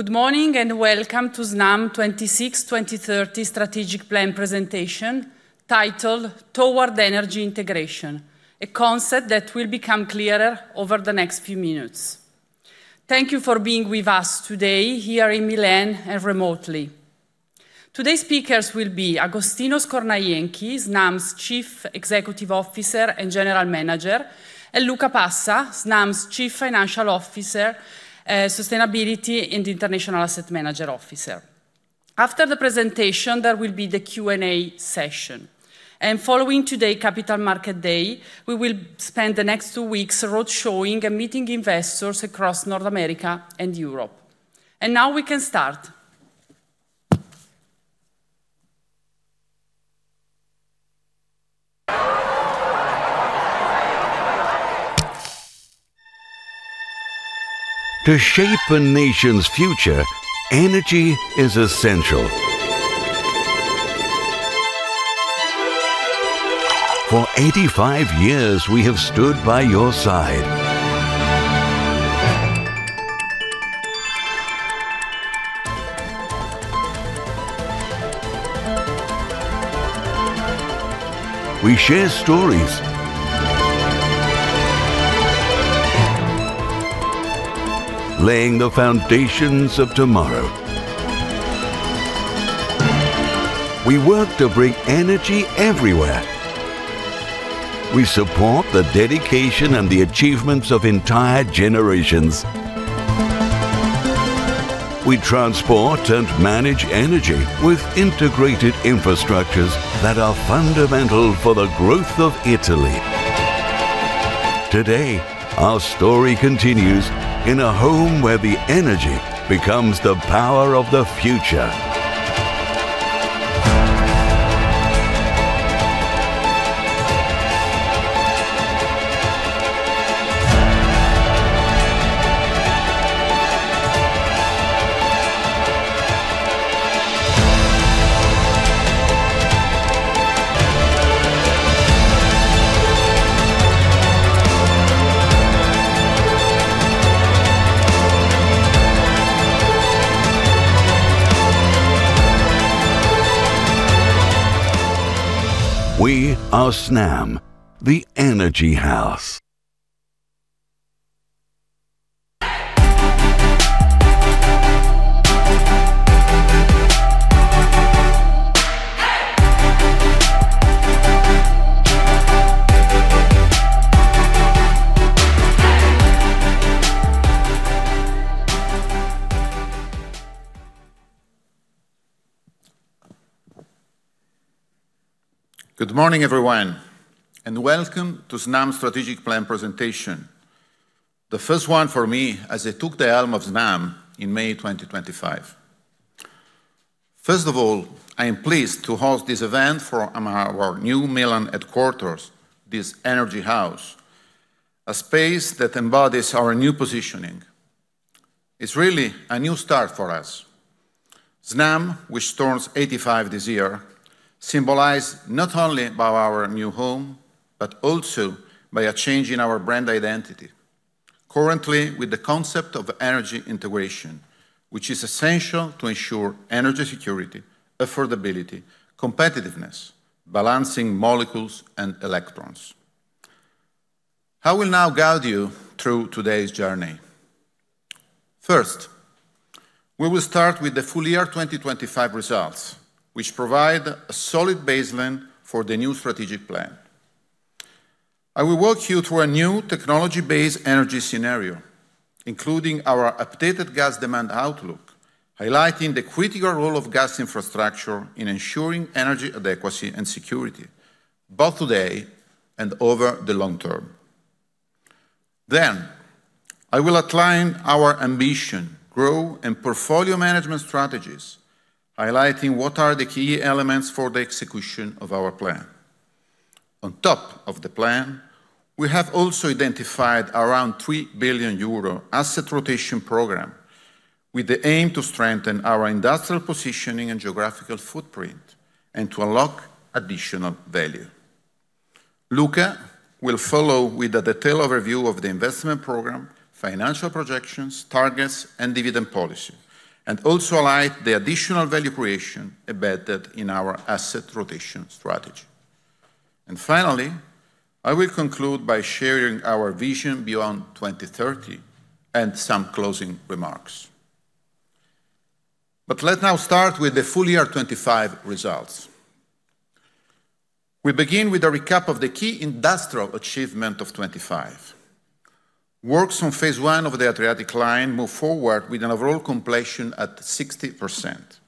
Good morning. Welcome to Snam 2026-2030 Strategic Plan Presentation titled Toward Energy Integration, a concept that will become clearer over the next few minutes. Thank you for being with us today here in Milan and remotely. Today's speakers will be Agostino Scornajenchi, Snam's Chief Executive Officer and General Manager, and Luca Passa, Snam's Chief Financial, Sustainability, and International Asset Management Officer. After the presentation, there will be the Q&A session. Following today Capital Market Day, we will spend the next two weeks roadshowing and meeting investors across North America and Europe. Now we can start. To shape a nation's future, energy is essential. For 85 years, we have stood by your side. We share stories. Laying the foundations of tomorrow. We work to bring energy everywhere. We support the dedication and the achievements of entire generations. We transport and manage energy with integrated infrastructures that are fundamental for the growth of Italy. Today, our story continues in a home where the energy becomes the power of the future. We are Snam, the energy house. Good morning, everyone, welcome to Snam's strategic plan presentation, the first one for me as I took the helm of Snam in May 2025. I am pleased to host this event from our new Milan headquarters, this energy house, a space that embodies our new positioning. It's really a new start for us. Snam, which turns 85 this year, symbolized not only by our new home, but also by a change in our brand identity. Currently, with the concept of energy integration, which is essential to ensure energy security, affordability, competitiveness, balancing molecules and electrons. I will now guide you through today's journey. First, we will start with the full year 2025 results, which provide a solid baseline for the new strategic plan. I will walk you through a new technology-based energy scenario, including our updated gas demand outlook, highlighting the critical role of gas infrastructure in ensuring energy adequacy and security, both today and over the long term. I will outline our ambition, growth, and portfolio management strategies, highlighting what are the key elements for the execution of our plan. On top of the plan, we have also identified around 3 billion euro asset rotation program with the aim to strengthen our industrial positioning and geographical footprint and to unlock additional value. Luca will follow with a detailed overview of the investment program, financial projections, targets, and dividend policy, and also highlight the additional value creation embedded in our asset rotation strategy. Finally, I will conclude by sharing our vision beyond 2030 and some closing remarks. Let's now start with the full year 2025 results. We begin with a recap of the key industrial achievement of 2025. Works on phase I of the Adriatic Line move forward with an overall completion at 60%.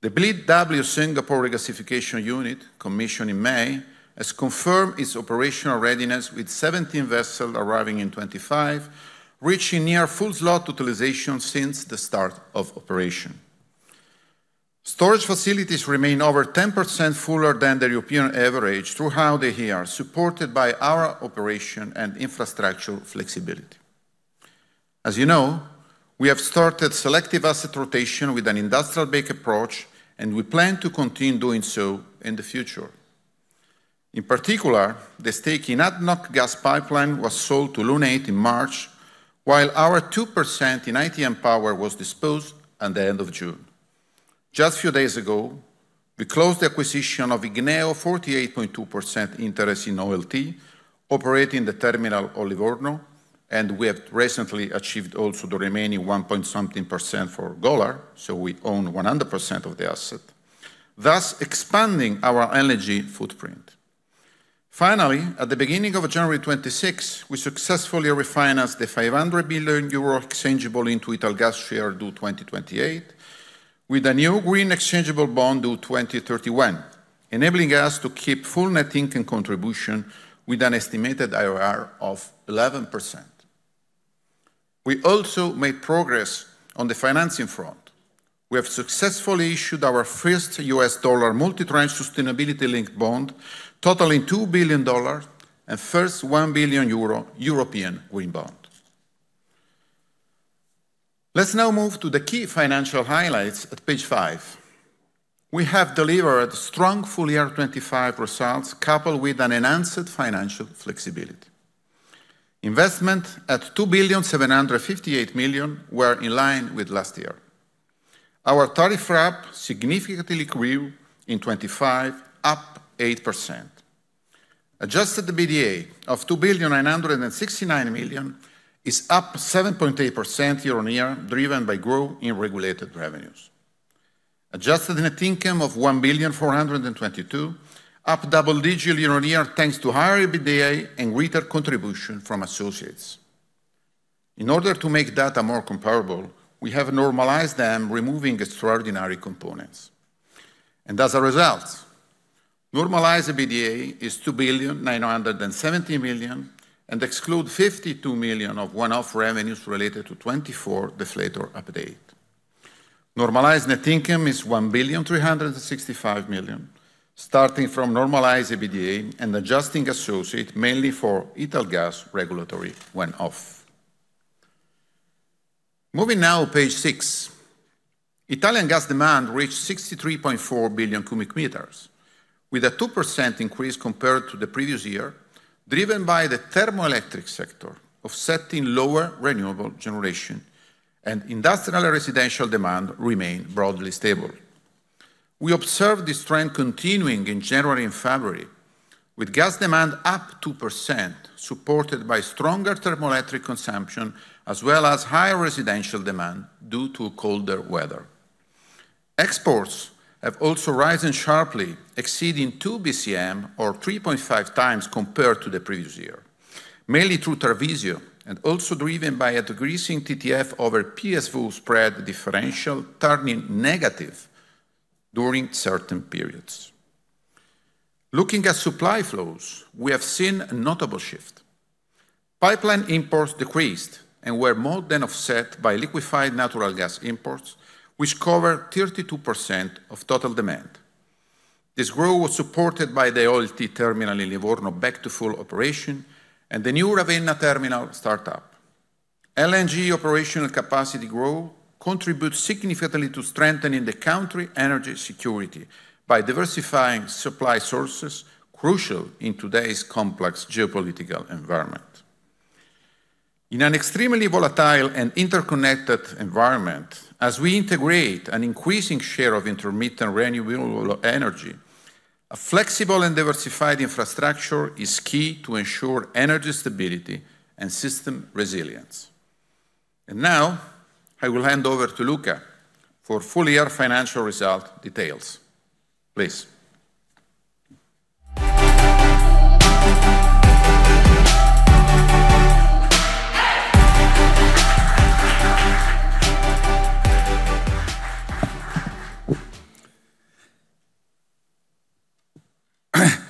The BW Singapore regasification unit commissioned in May has confirmed its operational readiness with 17 vessels arriving in 2025, reaching near full slot utilization since the start of operation. Storage facilities remain over 10% fuller than the European average throughout the year, supported by our operation and infrastructure flexibility. As you know, we have started selective asset rotation with an industrial-based approach, and we plan to continue doing so in the future. In particular, the stake in ADNOC Gas Pipeline was sold to Lunate in March, while our 2% in ITM Power was disposed at the end of June. Just few days ago, we closed the acquisition of Igneo 48.2% interest in OLT, operating the terminal Livorno, and we have recently achieved also the remaining one point something percent for Golar, so we own 100% of the asset, thus expanding our energy footprint. Finally, at the beginning of January 26th, we successfully refinanced the 500 billion euro exchangeable into Italgas share due 2028 with a new green exchangeable bond due 2031, enabling us to keep full net income contribution with an estimated IRR of 11%. We also made progress on the financing front. We have successfully issued our first U.S. dollar multi-tranche sustainability-linked bond totaling $2 billion and first 1 billion euro European green bond. Let's now move to the key financial highlights at Page 5. We have delivered strong full year 2025 results coupled with an enhanced financial flexibility. Investment at 2.758 billion were in line with last year. Our tariff RAB significantly grew in 2025, up 8%. Adjusted EBITDA of 2.969 billion is up 7.8% year-on-year, driven by growth in regulated revenues. Adjusted net income of 1.422 billion, up double-digit year-on-year, thanks to higher EBITDA and greater contribution from associates. In order to make data more comparable, we have normalized them, removing extraordinary components. As a result, normalized EBITDA is 2.970 billion and exclude 52 million of one-off revenues related to 2024 deflator update. Normalized net income is 1.365 billion, starting from normalized EBITDA and adjusting associates mainly for Italgas regulatory one-off. Moving now Page 6. Italian gas demand reached 63.4 billion cubic meters with a 2% increase compared to the previous year, driven by the thermoelectric sector offsetting lower renewable generation, and industrial residential demand remained broadly stable. We observed this trend continuing in January and February, with gas demand up 2% supported by stronger thermoelectric consumption as well as higher residential demand due to colder weather. Exports have also risen sharply, exceeding 2 bcm or 3.5x compared to the previous year, mainly through Tarvisio and also driven by a decreasing TTF over PSV spread differential turning negative during certain periods. Looking at supply flows, we have seen a notable shift. Pipeline imports decreased and were more than offset by liquefied natural gas imports, which cover 32% of total demand. This growth was supported by the OLT terminal in Livorno back to full operation and the new Ravenna terminal start up. LNG operational capacity growth contributes significantly to strengthening the country energy security by diversifying supply sources crucial in today's complex geopolitical environment. In an extremely volatile and interconnected environment, as we integrate an increasing share of intermittent renewable energy, a flexible and diversified infrastructure is key to ensure energy stability and system resilience. Now I will hand over to Luca for full year financial result details. Please.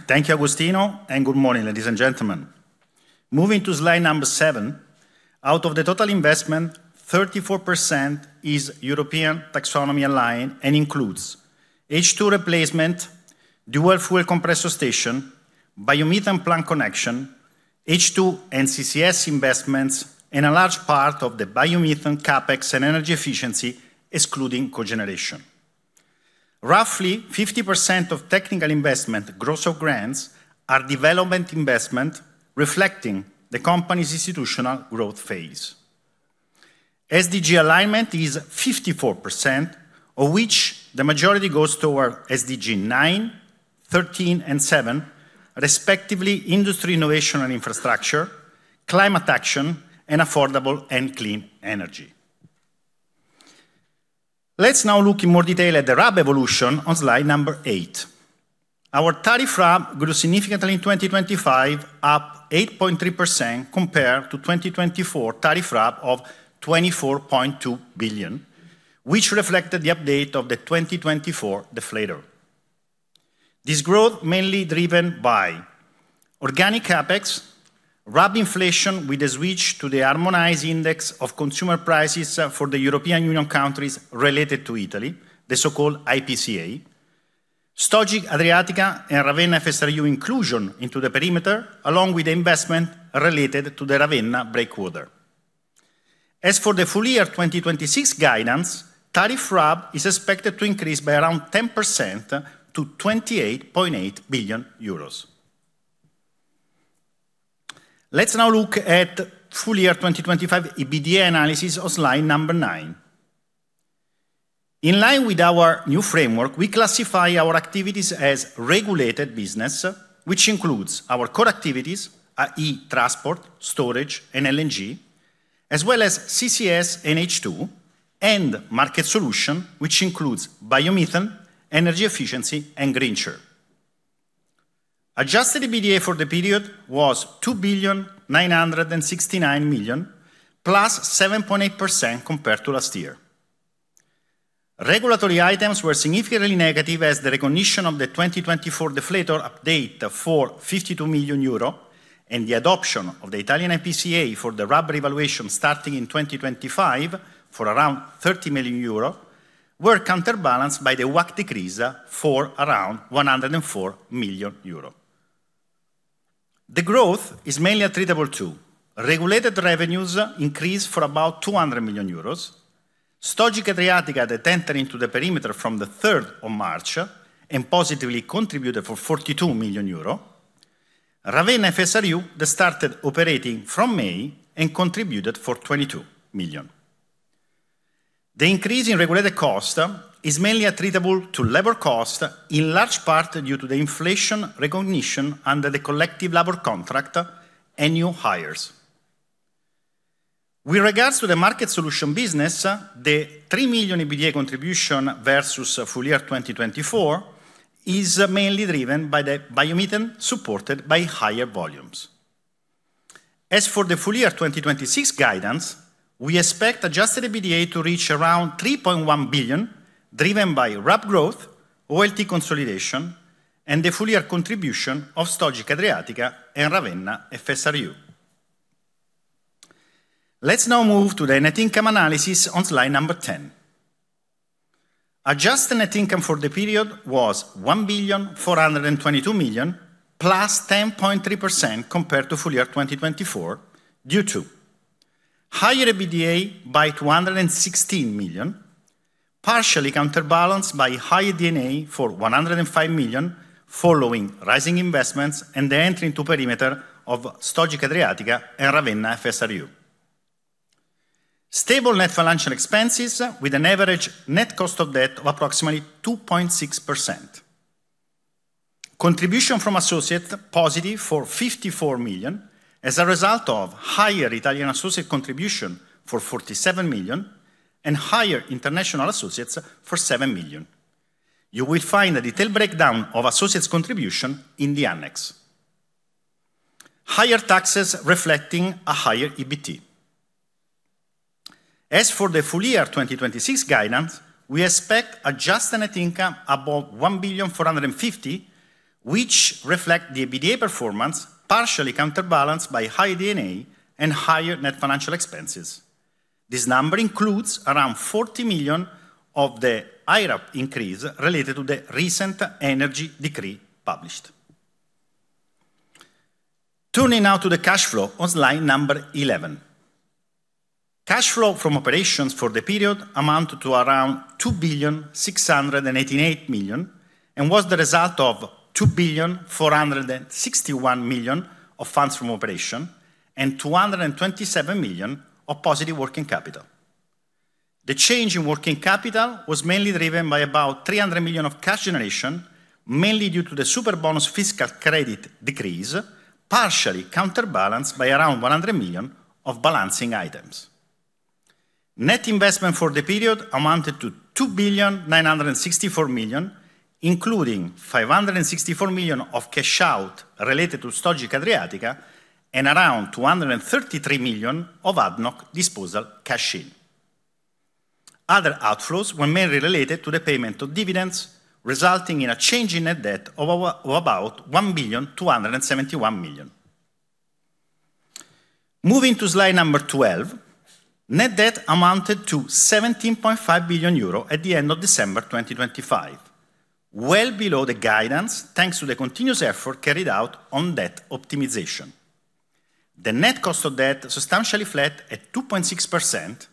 Thank you, Agostino, and good morning, ladies and gentlemen. Moving to Slide Number 7, out of the total investment, 34% is European taxonomy aligned and includes H2 replacement, dual-fuel compressor station, biomethane plant connection, H2 and CCS investments, and a large part of the biomethane CapEx and energy efficiency, excluding cogeneration. Roughly 50% of technical investment gross of grants are development investment reflecting the company's institutional growth phase. SDG alignment is 54%, of which the majority goes toward SDG 9, 13, and 7, respectively, industry innovation and infrastructure, climate action, and affordable and clean energy. Let's now look in more detail at the RAB evolution on Slide Number 8. Our tariff RAB grew significantly in 2025, up 8.3% compared to 2024 tariff RAB of 24.2 billion, which reflected the update of the 2024 deflator. This growth mainly driven by organic CapEx, RAB inflation with a switch to the harmonized index of consumer prices for the European Union countries related to Italy, the so-called IPCA, Stogit, Adriatica, and Ravenna FSRU inclusion into the perimeter along with the investment related to the Ravenna breakwater. For the full year 2026 guidance, tariff RAB is expected to increase by around 10% to 28.8 billion euros. Let's now look at full year 2025 EBITDA analysis on Slide Number 9. In line with our new framework, we classify our activities as regulated business, which includes our core activities, i.e., transport, storage, and LNG, as well as CCS and H2, and market solution, which includes biomethane, energy efficiency, and Greenture. Adjusted EBITDA for the period was 2.969 billion, +7.8% compared to last year. Regulatory items were significantly negative as the recognition of the 2024 deflator update for 52 million euro and the adoption of the Italian IPCA for the RAB revaluation starting in 2025 for around 30 million euro were counterbalanced by the WACC decrease for around 104 million euro. The growth is mainly attributable to regulated revenues increased for about 200 million euros. Stogit Adriatica that entered into the perimeter from the 3rd of March and positively contributed for 42 million euro. Ravenna FSRU that started operating from May and contributed for 22 million. The increase in regulated cost is mainly attributable to labor cost, in large part due to the inflation recognition under the collective labor contract and new hires. With regards to the market solution business, the 3 million EBITDA contribution versus full year 2024 is mainly driven by the biomethane supported by higher volumes. As for the full year 2026 guidance, we expect adjusted EBITDA to reach around 3.1 billion, driven by RAB growth, OLT consolidation, and the full year contribution of Stogit Adriatica and Ravenna FSRU. Let's now move to the net income analysis on Slide Number 10. Adjusted net income for the period was 1.422 billion, +10.3% compared to full year 2024, due to higher EBITDA by 216 million, partially counterbalanced by higher D&A for 105 million following rising investments and the entry into perimeter of Stogit Adriatica and Ravenna FSRU. Stable net financial expenses with an average net cost of debt of approximately 2.6%. Contribution from associate positive for 54 million as a result of higher Italian associate contribution for 47 million and higher international associates for 7 million. You will find a detailed breakdown of associates contribution in the annex. Higher taxes reflecting a higher EBT. As for the full year 2026 guidance, we expect adjusted net income above 1.45 billion, which reflect the EBITDA performance, partially counterbalanced by higher D&A and higher net financial expenses. This number includes around 40 million of the higher up increase related to the recent Energy Decree published. Turning now to the cash flow on Slide Number 11. Cash flow from operations for the period amounted to around 2.688 billion and was the result of 2.461 billion of funds from operation and 227 million of positive working capital. The change in working capital was mainly driven by about 300 million of cash generation, mainly due to the Superbonus fiscal credit decrease, partially counterbalanced by around 100 million of balancing items. Net investment for the period amounted to 2.964 billion, including 564 million of cash out related to Stogit Adriatica and around 233 million of ADNOC disposal cash in. Other outflows were mainly related to the payment of dividends, resulting in a change in net debt of about 1.271 billion. Moving to Slide Number 12, net debt amounted to 17.5 billion euro at the end of December 2025. Well below the guidance, thanks to the continuous effort carried out on debt optimization. The net cost of debt substantially flat at 2.6%,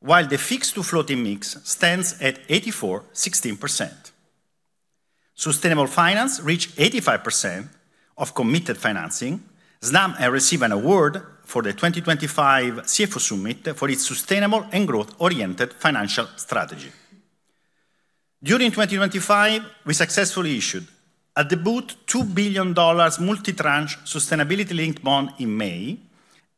while the fixed to floating mix stands at 84%/16%. Sustainable finance reached 85% of committed financing. Snam has received an award for the 2025 CFO Summit for its sustainable and growth-oriented financial strategy. During 2025, we successfully issued at the boot $2 billion multi-tranche sustainability linked bond in May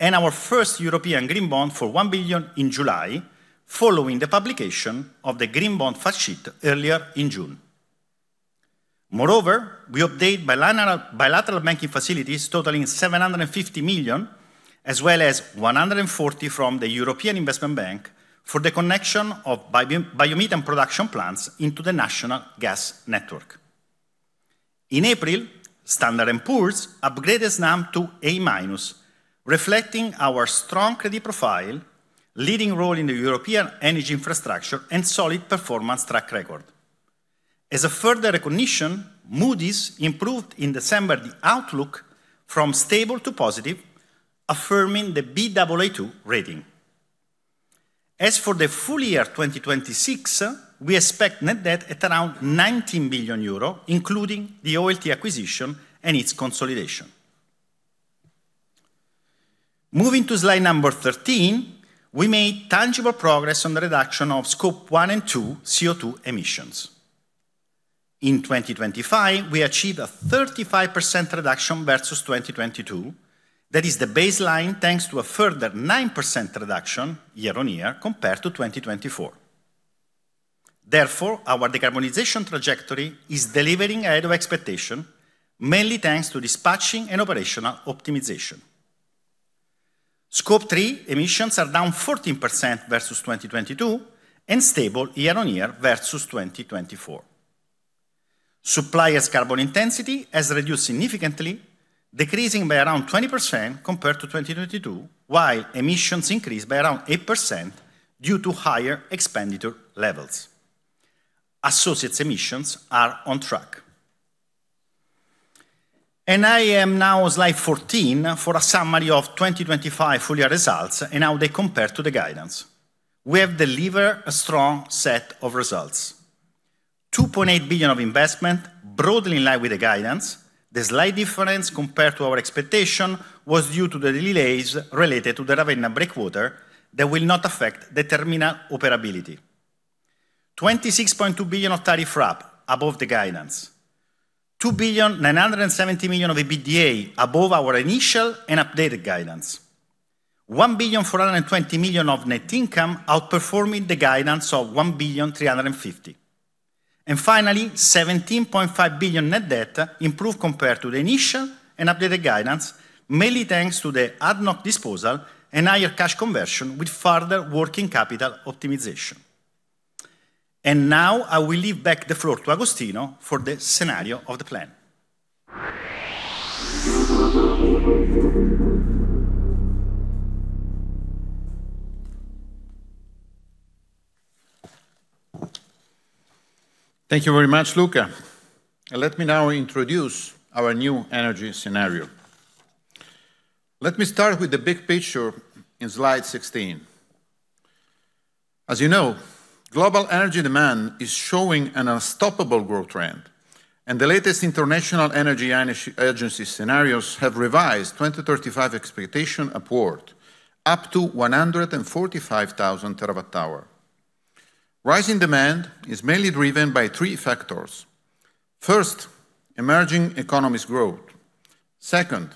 and our first European green bond for 1 billion in July, following the publication of the green bond fact sheet earlier in June. Moreover, we update bilateral banking facilities totaling 750 million, as well as 140 million from the European Investment Bank for the connection of biomethane production plants into the national gas network. In April, Standard & Poor's upgraded Snam to A-, reflecting our strong credit profile, leading role in the European energy infrastructure and solid performance track record. As a further recognition, Moody's improved in December the outlook from stable to positive, affirming the Baa2 rating. As for the full year 2026, we expect net debt at around 19 billion euro, including the OLT acquisition and its consolidation. Moving to Slide Number 13, we made tangible progress on the reduction of Scope 1 and 2 CO2 emissions. In 2025, we achieved a 35% reduction versus 2022. That is the baseline, thanks to a further 9% reduction year-on-year compared to 2024. Therefore, our decarbonization trajectory is delivering ahead of expectation, mainly thanks to dispatching and operational optimization. Scope 3 emissions are down 14% versus 2022 and stable year-on-year versus 2024. Suppliers' carbon intensity has reduced significantly, decreasing by around 20% compared to 2022, while emissions increased by around 8% due to higher expenditure levels. Associates emissions are on track. I am now on Slide 14 for a summary of 2025 full year results and how they compare to the guidance. We have delivered a strong set of results. 2.8 billion of investment, broadly in line with the guidance. The slight difference compared to our expectation was due to the delays related to the Ravenna breakwater that will not affect the terminal operability. 26.2 billion of tariff RAB above the guidance. 2.97 billion of EBITDA above our initial and updated guidance. 1.42 billion of net income outperforming the guidance of 1.35 billion. Finally, 17.5 billion net debt improved compared to the initial and updated guidance, mainly thanks to the ADNOC disposal and higher cash conversion with further working capital optimization. Now I will leave back the floor to Agostino for the scenario of the plan. Thank you very much, Luca. Let me now introduce our new energy scenario. Let me start with the big picture in Slide 16. As you know, global energy demand is showing an unstoppable growth trend. The latest International Energy Agency scenarios have revised 2035 expectation upward up to 145,000 TWh. Rising demand is mainly driven by three factors. First, emerging economies growth. Second,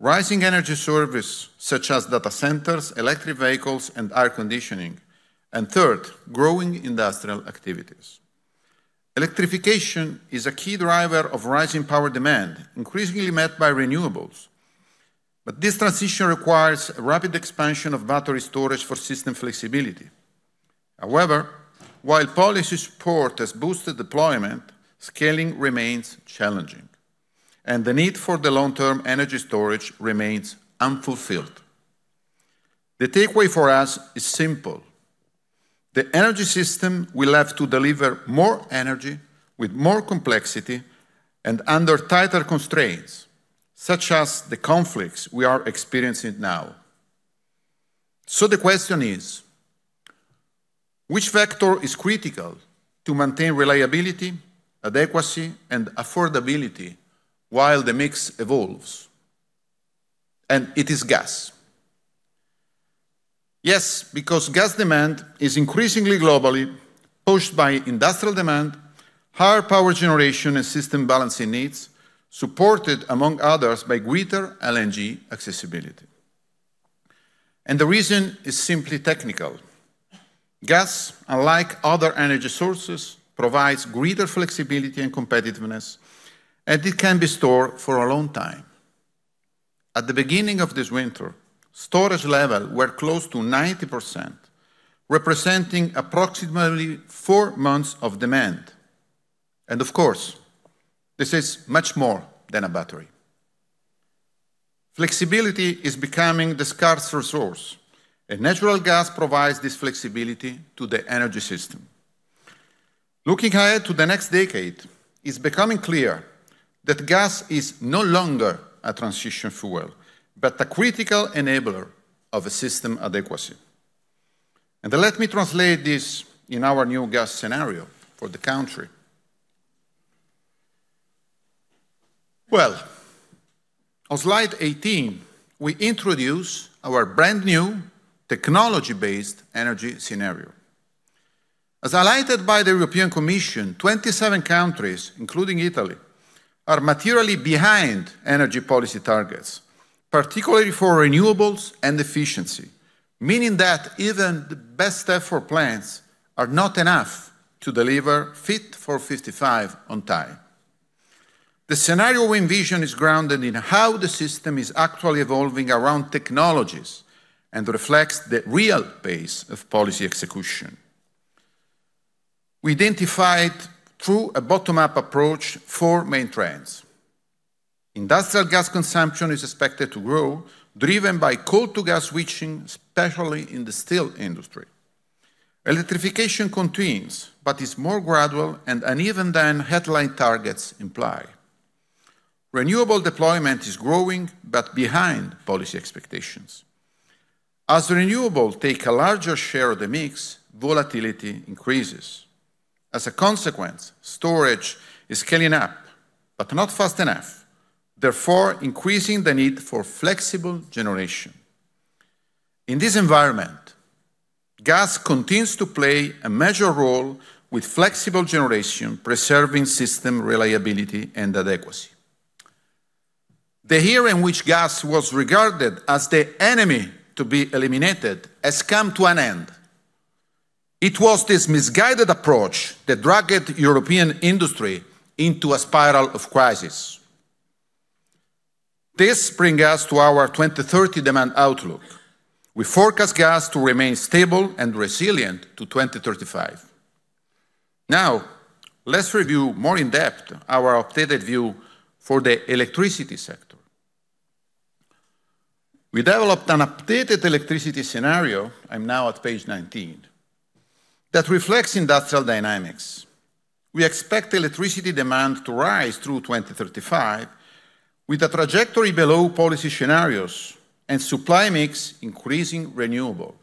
rising energy service such as data centers, electric vehicles, and air conditioning. Third, growing industrial activities. Electrification is a key driver of rising power demand, increasingly met by renewables. This transition requires a rapid expansion of battery storage for system flexibility. However, while policy support has boosted deployment, scaling remains challenging. The need for the long-term energy storage remains unfulfilled. The takeaway for us is simple. The energy system will have to deliver more energy with more complexity and under tighter constraints, such as the conflicts we are experiencing now. The question is, which factor is critical to maintain reliability, adequacy, and affordability while the mix evolves? It is gas. Yes, because gas demand is increasingly globally pushed by industrial demand, higher power generation, and system balancing needs, supported among others by greater LNG accessibility. The reason is simply technical. Gas, unlike other energy sources, provides greater flexibility and competitiveness, and it can be stored for a long time. At the beginning of this winter, storage levels were close to 90%, representing approximately four months of demand. Of course, this is much more than a battery. Flexibility is becoming the scarce resource, and natural gas provides this flexibility to the energy system. Looking ahead to the next decade, it's becoming clear that gas is no longer a transition fuel, but a critical enabler of a system adequacy. Let me translate this in our new gas scenario for the country. Well, on Slide 18, we introduce our brand-new technology-based energy scenario. As highlighted by the European Commission, 27 countries, including Italy, are materially behind energy policy targets, particularly for renewables and efficiency, meaning that even the best effort plans are not enough to deliver Fit for 55 on time. The scenario we envision is grounded in how the system is actually evolving around technologies and reflects the real pace of policy execution. We identified through a bottom-up approach four main trends. Industrial gas consumption is expected to grow, driven by coal to gas switching, especially in the steel industry. Electrification continues but is more gradual and uneven than headline targets imply. Renewable deployment is growing behind policy expectations. As renewable take a larger share of the mix, volatility increases. As a consequence, storage is scaling up but not fast enough, therefore increasing the need for flexible generation. In this environment, gas continues to play a major role with flexible generation preserving system reliability and adequacy. The era in which gas was regarded as the enemy to be eliminated has come to an end. It was this misguided approach that dragged European industry into a spiral of crisis. This bring us to our 2030 demand outlook. We forecast gas to remain stable and resilient to 2035. Let's review more in depth our updated view for the electricity sector. We developed an updated electricity scenario, I'm now at Page 19, that reflects industrial dynamics. We expect electricity demand to rise through 2035 with a trajectory below policy scenarios and supply mix increasing renewable.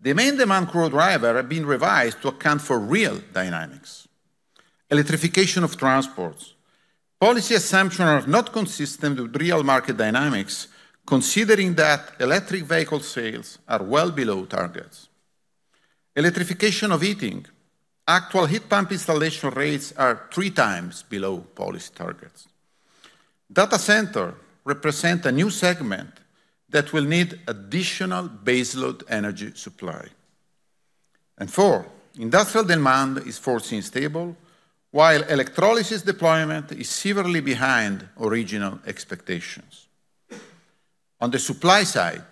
The main demand growth driver have been revised to account for real dynamics. Electrification of transports. Policy assumption are not consistent with real market dynamics, considering that electric vehicle sales are well below targets. Electrification of heating. Actual heat pump installation rates are 3x below policy targets. Data center represent a new segment that will need additional base load energy supply. Four, industrial demand is foreseen stable, while electrolysis deployment is severely behind original expectations. On the supply side,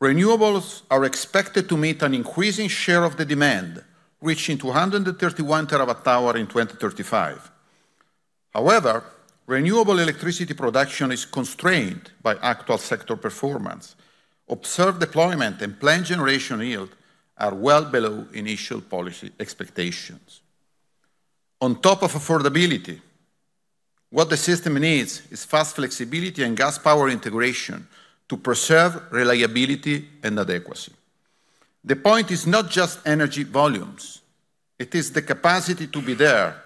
renewables are expected to meet an increasing share of the demand, reaching 231 TWh in 2035. However, renewable electricity production is constrained by actual sector performance. Observed deployment and plant generation yield are well below initial policy expectations. On top of affordability, what the system needs is fast flexibility and gas power integration to preserve reliability and adequacy. The point is not just energy volumes, it is the capacity to be there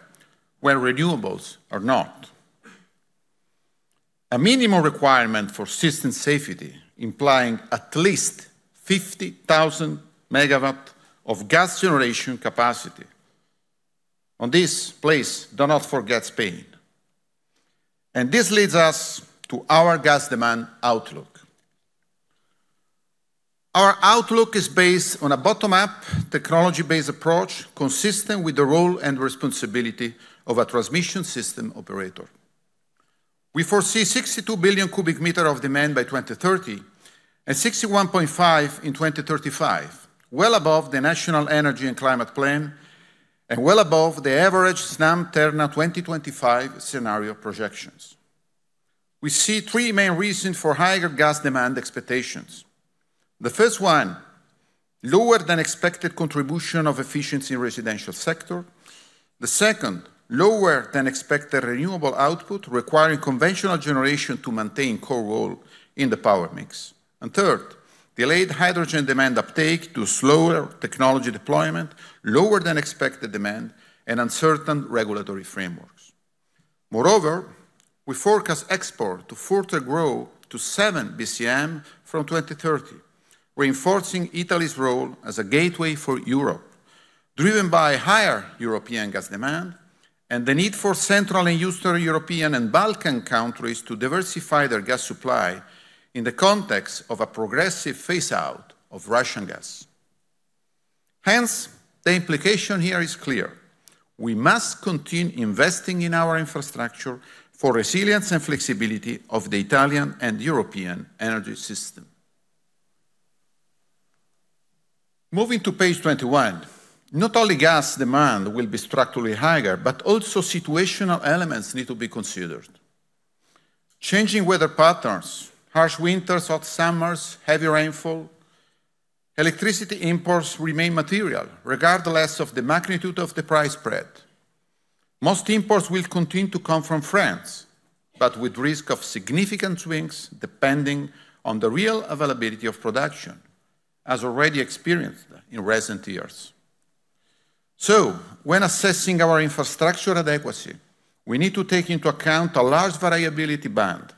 where renewables are not. A minimum requirement for system safety implying at least 50,000 MW of gas generation capacity. On this, please, do not forget Spain. This leads us to our gas demand outlook. Our outlook is based on a bottom-up, technology-based approach consistent with the role and responsibility of a transmission system operator. We foresee 62 billion cubic meter of demand by 2030 and 61.5 billion in 2035. Well above the National Energy and Climate Plan and well above the average Snam and Terna 2025 scenario projections. We see three main reasons for higher gas demand expectations. The first one, lower than expected contribution of efficiency in residential sector. The second, lower than expected renewable output requiring conventional generation to maintain core role in the power mix. Third, delayed hydrogen demand uptake to slower technology deployment, lower than expected demand, and uncertain regulatory frameworks. Moreover, we forecast export to further grow to 7 bcm from 2030, reinforcing Italy's role as a gateway for Europe, driven by higher European gas demand and the need for Central and Eastern European and Balkan countries to diversify their gas supply in the context of a progressive phase out of Russian gas. Hence, the implication here is clear. We must continue investing in our infrastructure for resilience and flexibility of the Italian and European energy system. Moving to Page 21. Not only gas demand will be structurally higher, but also situational elements need to be considered. Changing weather patterns, harsh winters, hot summers, heavy rainfall. Electricity imports remain material regardless of the magnitude of the price spread. Most imports will continue to come from France, but with risk of significant swings depending on the real availability of production, as already experienced in recent years. When assessing our infrastructure adequacy, we need to take into account a large variability band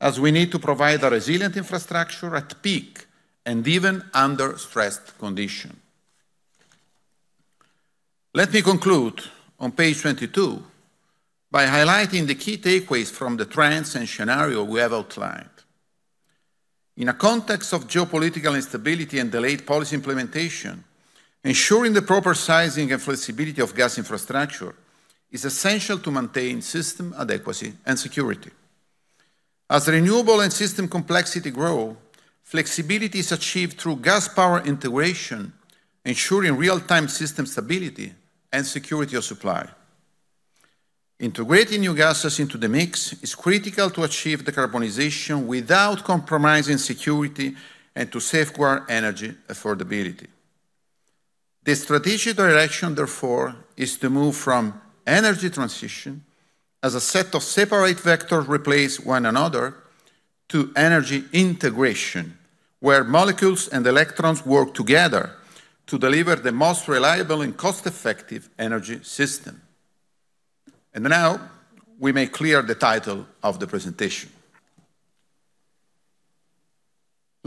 as we need to provide a resilient infrastructure at peak and even under stressed condition. Let me conclude on Page 22 by highlighting the key takeaways from the trends and scenario we have outlined. In a context of geopolitical instability and delayed policy implementation, ensuring the proper sizing and flexibility of gas infrastructure is essential to maintain system adequacy and security. As renewable and system complexity grow, flexibility is achieved through gas power integration, ensuring real-time system stability and security of supply. Integrating new gases into the mix is critical to achieve decarbonization without compromising security and to safeguard energy affordability. The strategic direction, therefore, is to move from energy transition as a set of separate vectors replace one another to energy integration, where molecules and electrons work together to deliver the most reliable and cost-effective energy system. Now, we make clear the title of the presentation.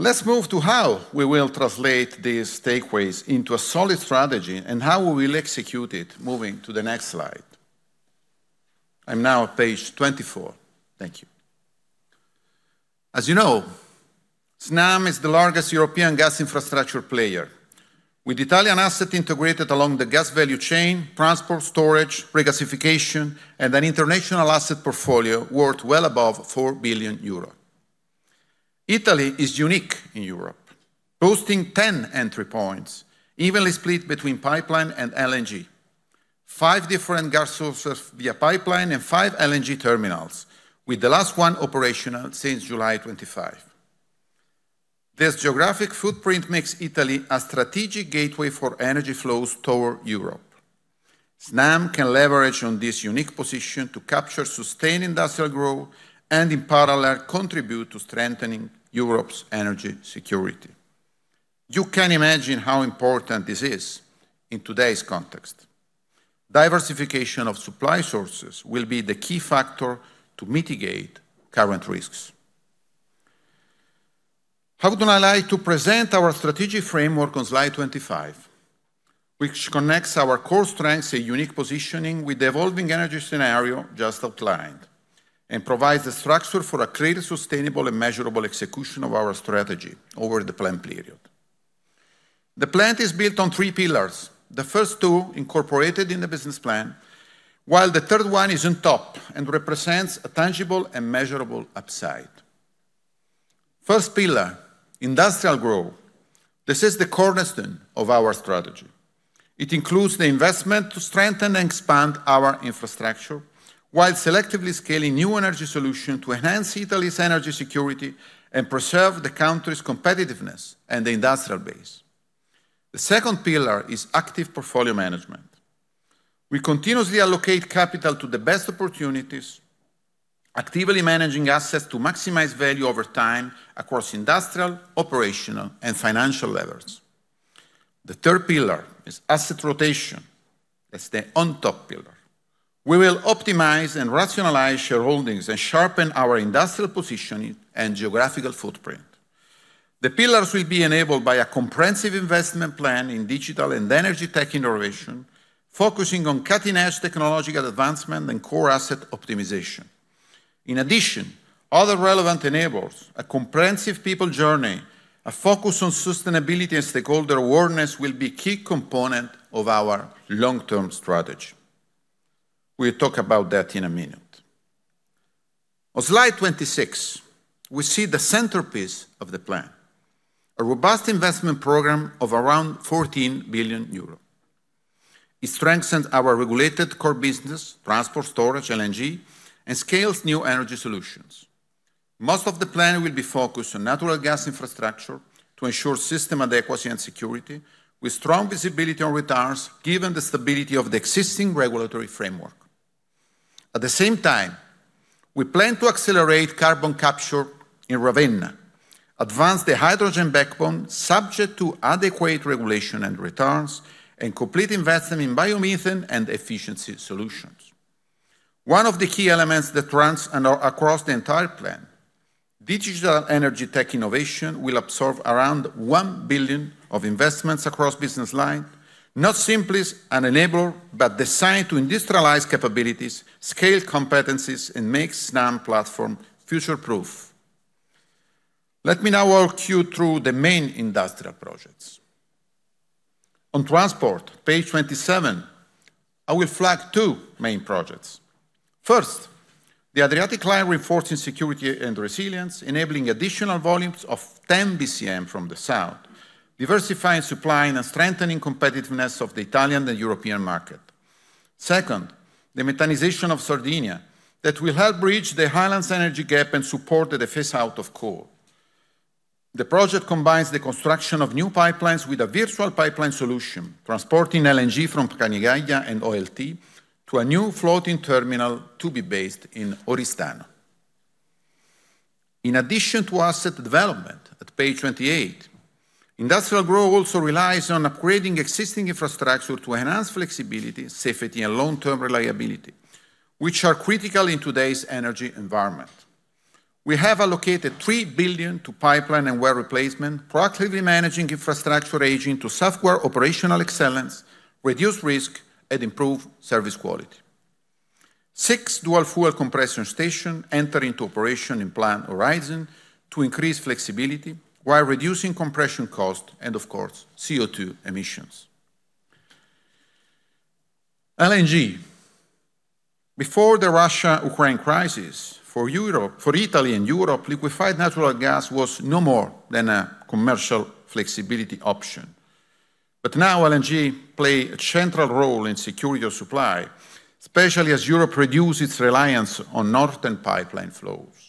Let's move to how we will translate these takeaways into a solid strategy and how we will execute it. Moving to the next slide. I'm now at Page 24. Thank you. As you know, Snam is the largest European gas infrastructure player. With Italian asset integrated along the gas value chain, transport, storage, regasification, and an international asset portfolio worth well above 4 billion euro. Italy is unique in Europe, boasting 10 entry points evenly split between pipeline and LNG, five different gas sources via pipeline, and five LNG terminals, with the last one operational since July 25. This geographic footprint makes Italy a strategic gateway for energy flows toward Europe. Snam can leverage on this unique position to capture sustained industrial growth and, in parallel, contribute to strengthening Europe's energy security. You can imagine how important this is in today's context. Diversification of supply sources will be the key factor to mitigate current risks. I would like to present our strategic framework on Slide 25, which connects our core strengths, a unique positioning with the evolving energy scenario just outlined, and provides a structure for a clear, sustainable, and measurable execution of our strategy over the plan period. The plan is built on three pillars. The first two incorporated in the business plan, while the third one is on top and represents a tangible and measurable upside. First pillar, industrial growth. This is the cornerstone of our strategy. It includes the investment to strengthen and expand our infrastructure while selectively scaling new energy solution to enhance Italy's energy security and preserve the country's competitiveness and industrial base. The second pillar is active portfolio management. We continuously allocate capital to the best opportunities, actively managing assets to maximize value over time across industrial, operational, and financial levers. The third pillar is asset rotation. It's the on-top pillar. We will optimize and rationalize shareholdings and sharpen our industrial positioning and geographical footprint. The pillars will be enabled by a comprehensive investment plan in digital and energy tech innovation, focusing on cutting-edge technological advancement and core asset optimization. In addition, other relevant enablers, a comprehensive people journey, a focus on sustainability and stakeholder awareness will be key component of our long-term strategy. We'll talk about that in a minute. On Slide 26, we see the centerpiece of the plan, a robust investment program of around 14 billion euros. It strengthens our regulated core business, transport, storage, LNG, and scales new energy solutions. Most of the plan will be focused on natural gas infrastructure to ensure system adequacy and security with strong visibility on returns given the stability of the existing regulatory framework. At the same time, we plan to accelerate carbon capture in Ravenna, advance the Hydrogen Backbone subject to adequate regulation and returns, and complete investment in biomethane and efficiency solutions. One of the key elements that runs across the entire plan, digital energy tech innovation will absorb around 1 billion of investments across business line, not simply as an enabler, but designed to industrialize capabilities, scale competencies, and make Snam platform future-proof. Let me now walk you through the main industrial projects. On transport, Page 27, I will flag two main projects. First, the Adriatic Line reinforcing security and resilience, enabling additional volumes of 10 bcm from the South, diversifying supply and strengthening competitiveness of the Italian and European market. Second, the methanization of Sardinia that will help bridge the highlands energy gap and support the phase-out of coal. The project combines the construction of new pipelines with a virtual pipeline solution, transporting LNG from Panigaglia and OLT to a new floating terminal to be based in Oristano. In addition to asset development at Page 28, industrial growth also relies on upgrading existing infrastructure to enhance flexibility, safety, and long-term reliability, which are critical in today's energy environment. We have allocated 3 billion to pipeline and well replacement, proactively managing infrastructure aging to software operational excellence, reduce risk, and improve service quality. Six dual-fuel compression station enter into operation in plan horizon to increase flexibility while reducing compression cost and, of course, CO2 emissions. LNG. Before the Russia-Ukraine crisis, for Europe, for Italy and Europe, liquefied natural gas was no more than a commercial flexibility option. Now LNG play a central role in security of supply, especially as Europe reduce its reliance on northern pipeline flows.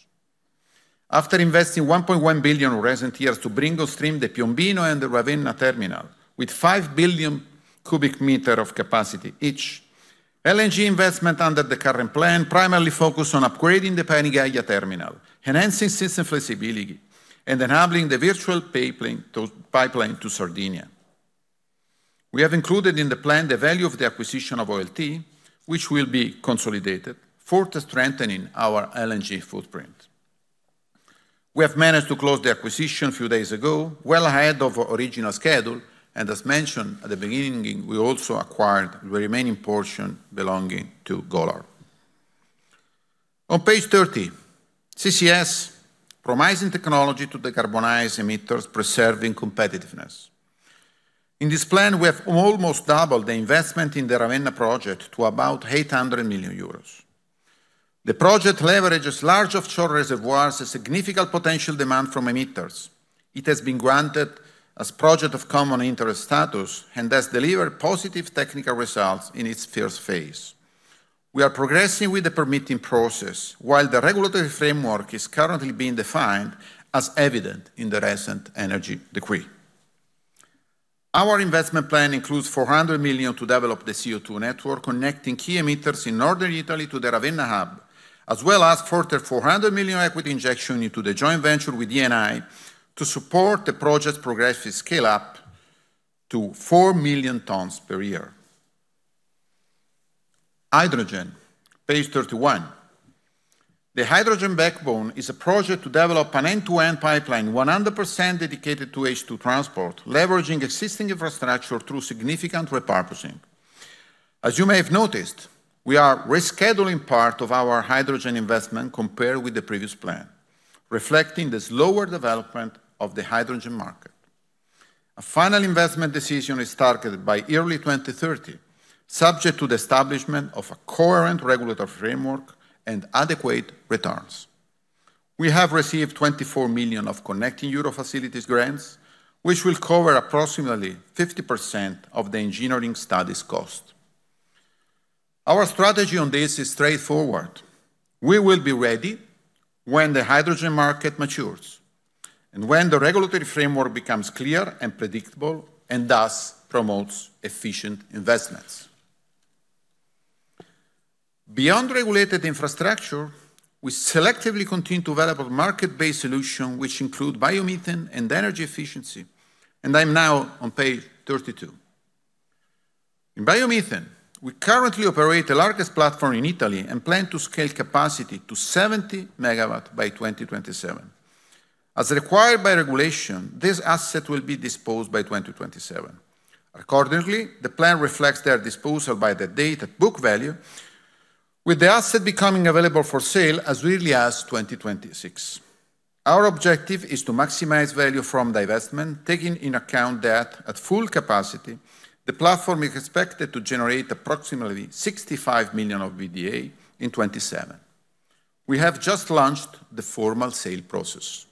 After investing 1.1 billion in recent years to bring on stream the Piombino and Ravenna terminal with 5 billion cubic meter of capacity each, LNG investment under the current plan primarily focus on upgrading the Panigaglia terminal, enhancing system flexibility, and enabling the virtual pipeline to Sardinia. We have included in the plan the value of the acquisition of OLT, which will be consolidated further strengthening our LNG footprint. We have managed to close the acquisition a few days ago, well ahead of original schedule. As mentioned at the beginning, we also acquired the remaining portion belonging to Golar. On Page 30, CCS, promising technology to decarbonize emitters preserving competitiveness. In this plan, we have almost doubled the investment in the Ravenna project to about 800 million euros. The project leverages large offshore reservoirs, a significant potential demand from emitters. It has been granted as Project of Common Interest status and has delivered positive technical results in its first phase. We are progressing with the permitting process while the regulatory framework is currently being defined as evident in the recent Energy Decree. Our investment plan includes 400 million to develop the CO2 network, connecting key emitters in northern Italy to the Ravenna hub, as well as further 400 million equity injection into the joint venture with Eni to support the project's progressive scale up to 4 million tons per year. Hydrogen, Page 31. The Hydrogen Backbone is a project to develop an end-to-end pipeline 100% dedicated to H2 transport, leveraging existing infrastructure through significant repurposing. As you may have noticed, we are rescheduling part of our hydrogen investment compared with the previous plan, reflecting the slower development of the hydrogen market. A final investment decision is targeted by early 2030, subject to the establishment of a coherent regulatory framework and adequate returns. We have received 24 million of Connecting Europe Facility grants, which will cover approximately 50% of the engineering studies cost. Our strategy on this is straightforward. We will be ready when the hydrogen market matures and when the regulatory framework becomes clear and predictable and thus promotes efficient investments. Beyond regulated infrastructure, we selectively continue to develop market-based solution which include biomethane and energy efficiency. I'm now on Page 32. In biomethane, we currently operate the largest platform in Italy and plan to scale capacity to 70 MW by 2027. As required by regulation, this asset will be disposed by 2027. Accordingly, the plan reflects their disposal by the date at book value, with the asset becoming available for sale as early as 2026. Our objective is to maximize value from the investment, taking in account that at full capacity, the platform is expected to generate approximately 65 million of EBITDA in 2027. We have just launched the formal sale process.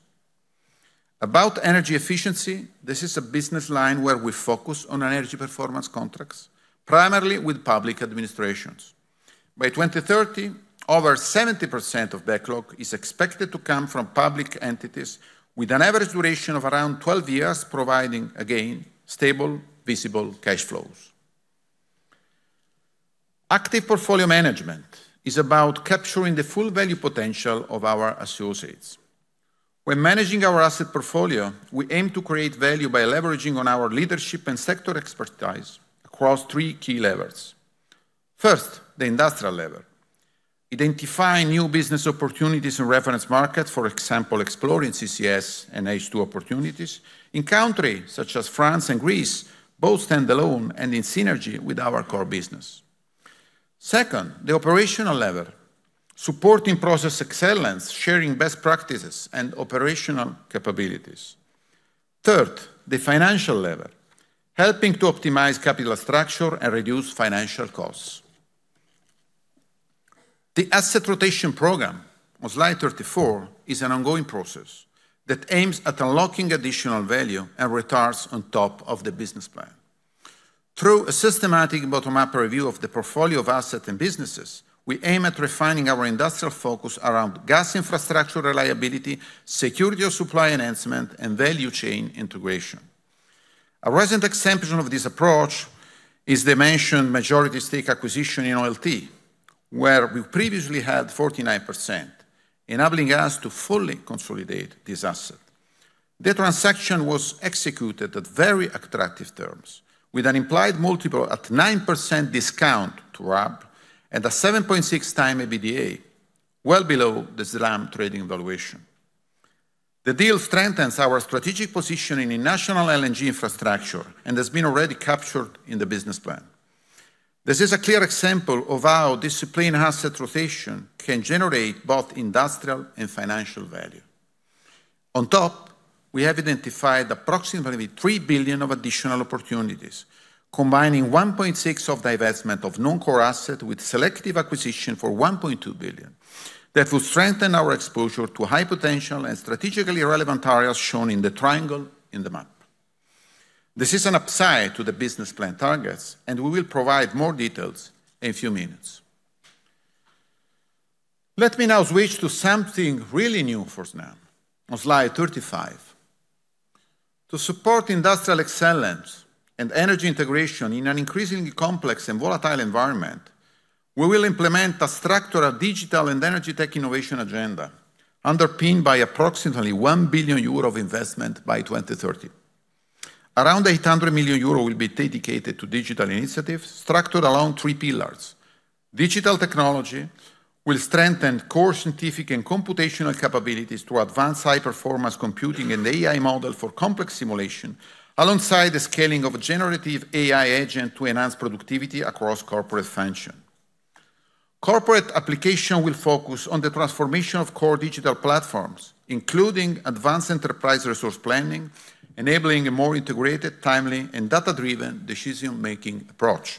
Energy efficiency, this is a business line where we focus on energy performance contracts, primarily with public administrations. By 2030, over 70% of backlog is expected to come from public entities with an average duration of around 12 years, providing, again, stable, visible cash flows. Active portfolio management is about capturing the full value potential of our associates. When managing our asset portfolio, we aim to create value by leveraging on our leadership and sector expertise across three key levels. First, the industrial level. Identifying new business opportunities in reference markets, for example, exploring CCS and H2 opportunities in countries such as France and Greece, both standalone and in synergy with our core business. Second, the operational level. Supporting process excellence, sharing best practices and operational capabilities. Third, the financial level. Helping to optimize capital structure and reduce financial costs. The asset rotation program on Slide 34 is an ongoing process that aims at unlocking additional value and returns on top of the business plan. Through a systematic bottom-up review of the portfolio of assets and businesses, we aim at refining our industrial focus around gas infrastructure reliability, security of supply enhancement, and value chain integration. A recent example of this approach is the mentioned majority stake acquisition in OLT, where we previously had 49%, enabling us to fully consolidate this asset. The transaction was executed at very attractive terms, with an implied multiple at 9% discount to RAB and a 7.6x EBITDA, well below the Snam trading valuation. The deal strengthens our strategic positioning in national LNG infrastructure and has been already captured in the business plan. This is a clear example of how discipline asset rotation can generate both industrial and financial value. We have identified approximately 3 billion of additional opportunities, combining 1.6 billion of divestment of non-core asset with selective acquisition for 1.2 billion that will strengthen our exposure to high potential and strategically relevant areas shown in the triangle in the map. This is an upside to the business plan targets. We will provide more details in a few minutes. Let me now switch to something really new for Snam on Slide 35. To support industrial excellence and energy integration in an increasingly complex and volatile environment, we will implement a structural digital and energy tech innovation agenda underpinned by approximately 1 billion euro of investment by 2030. Around 800 million euro will be dedicated to digital initiatives structured around three pillars. Digital technology will strengthen core scientific and computational capabilities to advance high-performance computing and AI model for complex simulation alongside the scaling of a generative AI agent to enhance productivity across corporate function. Corporate application will focus on the transformation of core digital platforms, including advanced enterprise resource planning, enabling a more integrated, timely, and data-driven decision-making approach.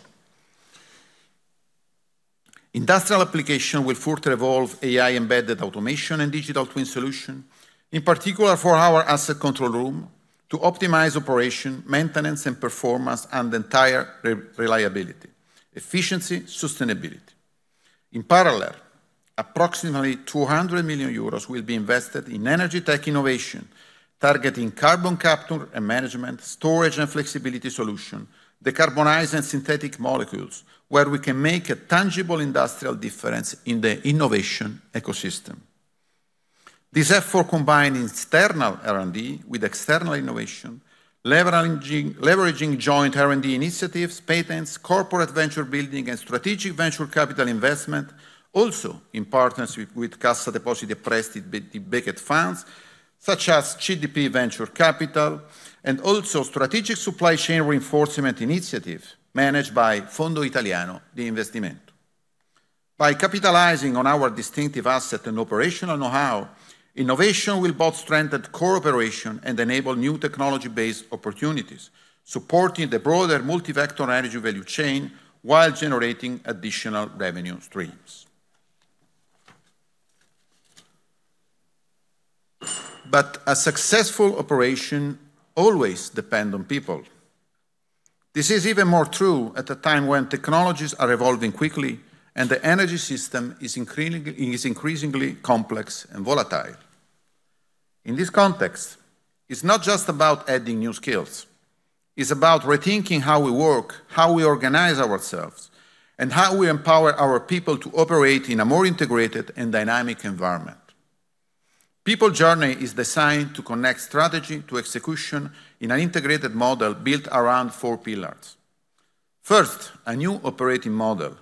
Industrial application will further evolve AI-embedded automation and digital twin solution, in particular for our asset control room to optimize operation, maintenance and performance, and entire re-reliability, efficiency, sustainability. In parallel, approximately 200 million euros will be invested in energy tech innovation, targeting carbon capture and management, storage and flexibility solution, decarbonizing synthetic molecules where we can make a tangible industrial difference in the innovation ecosystem. This effort combines internal R&D with external innovation, leveraging joint R&D initiatives, patents, corporate venture building, and strategic venture capital investment also in partners with Cassa Depositi e Prestiti dedicated funds such as CDP Venture Capital and also strategic supply chain reinforcement initiatives managed by Fondo Italiano d'Investimento. By capitalizing on our distinctive asset and operational know-how, innovation will both strengthen cooperation and enable new technology-based opportunities, supporting the broader multi-vector energy value chain while generating additional revenue streams. A successful operation always depend on people. This is even more true at a time when technologies are evolving quickly and the energy system is increasingly complex and volatile. In this context, it's not just about adding new skills. It's about rethinking how we work, how we organize ourselves, and how we empower our people to operate in a more integrated and dynamic environment. People journey is designed to connect strategy to execution in an integrated model built around four pillars. First, a new operating model.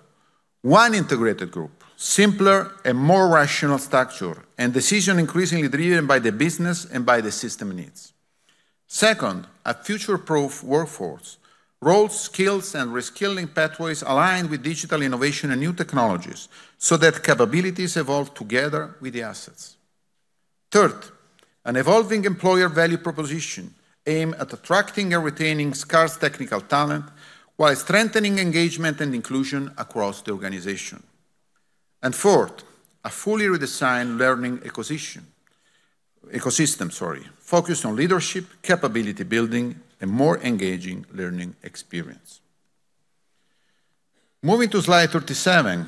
One integrated group, simpler and more rational structure, and decision increasingly driven by the business and by the system needs. Second, a future-proof workforce. Roles, skills, and reskilling pathways aligned with digital innovation and new technologies so that capabilities evolve together with the assets. Third, an evolving employer value proposition aimed at attracting and retaining scarce technical talent while strengthening engagement and inclusion across the organization. Fourth, a fully redesigned learning ecosystem focused on leadership, capability building, and more engaging learning experience. Moving to Slide 37,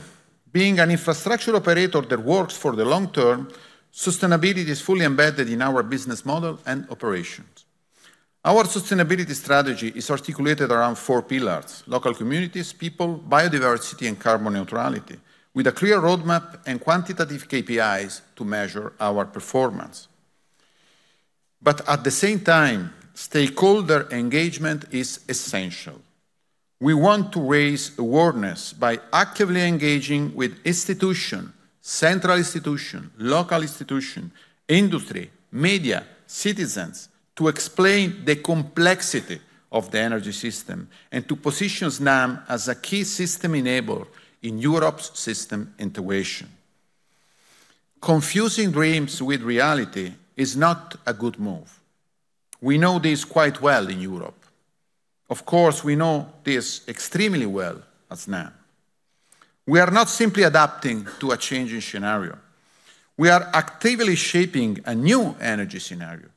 being an infrastructure operator that works for the long term, sustainability is fully embedded in our business model and operations. Our sustainability strategy is articulated around four pillars: local communities, people, biodiversity, and carbon neutrality, with a clear roadmap and quantitative KPIs to measure our performance. At the same time, stakeholder engagement is essential. We want to raise awareness by actively engaging with institution, central institution, local institution, industry, media, citizens to explain the complexity of the energy system and to position Snam as a key system enabler in Europe's system integration. Confusing dreams with reality is not a good move. We know this quite well in Europe. Of course, we know this extremely well at Snam. We are not simply adapting to a changing scenario. We are actively shaping a new energy scenario,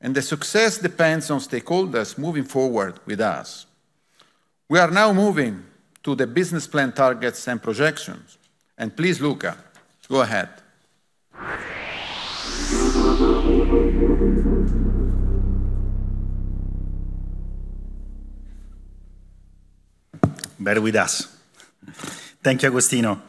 and the success depends on stakeholders moving forward with us. We are now moving to the business plan targets and projections. Please, Luca, go ahead. Better with us. Thank you, Agostino.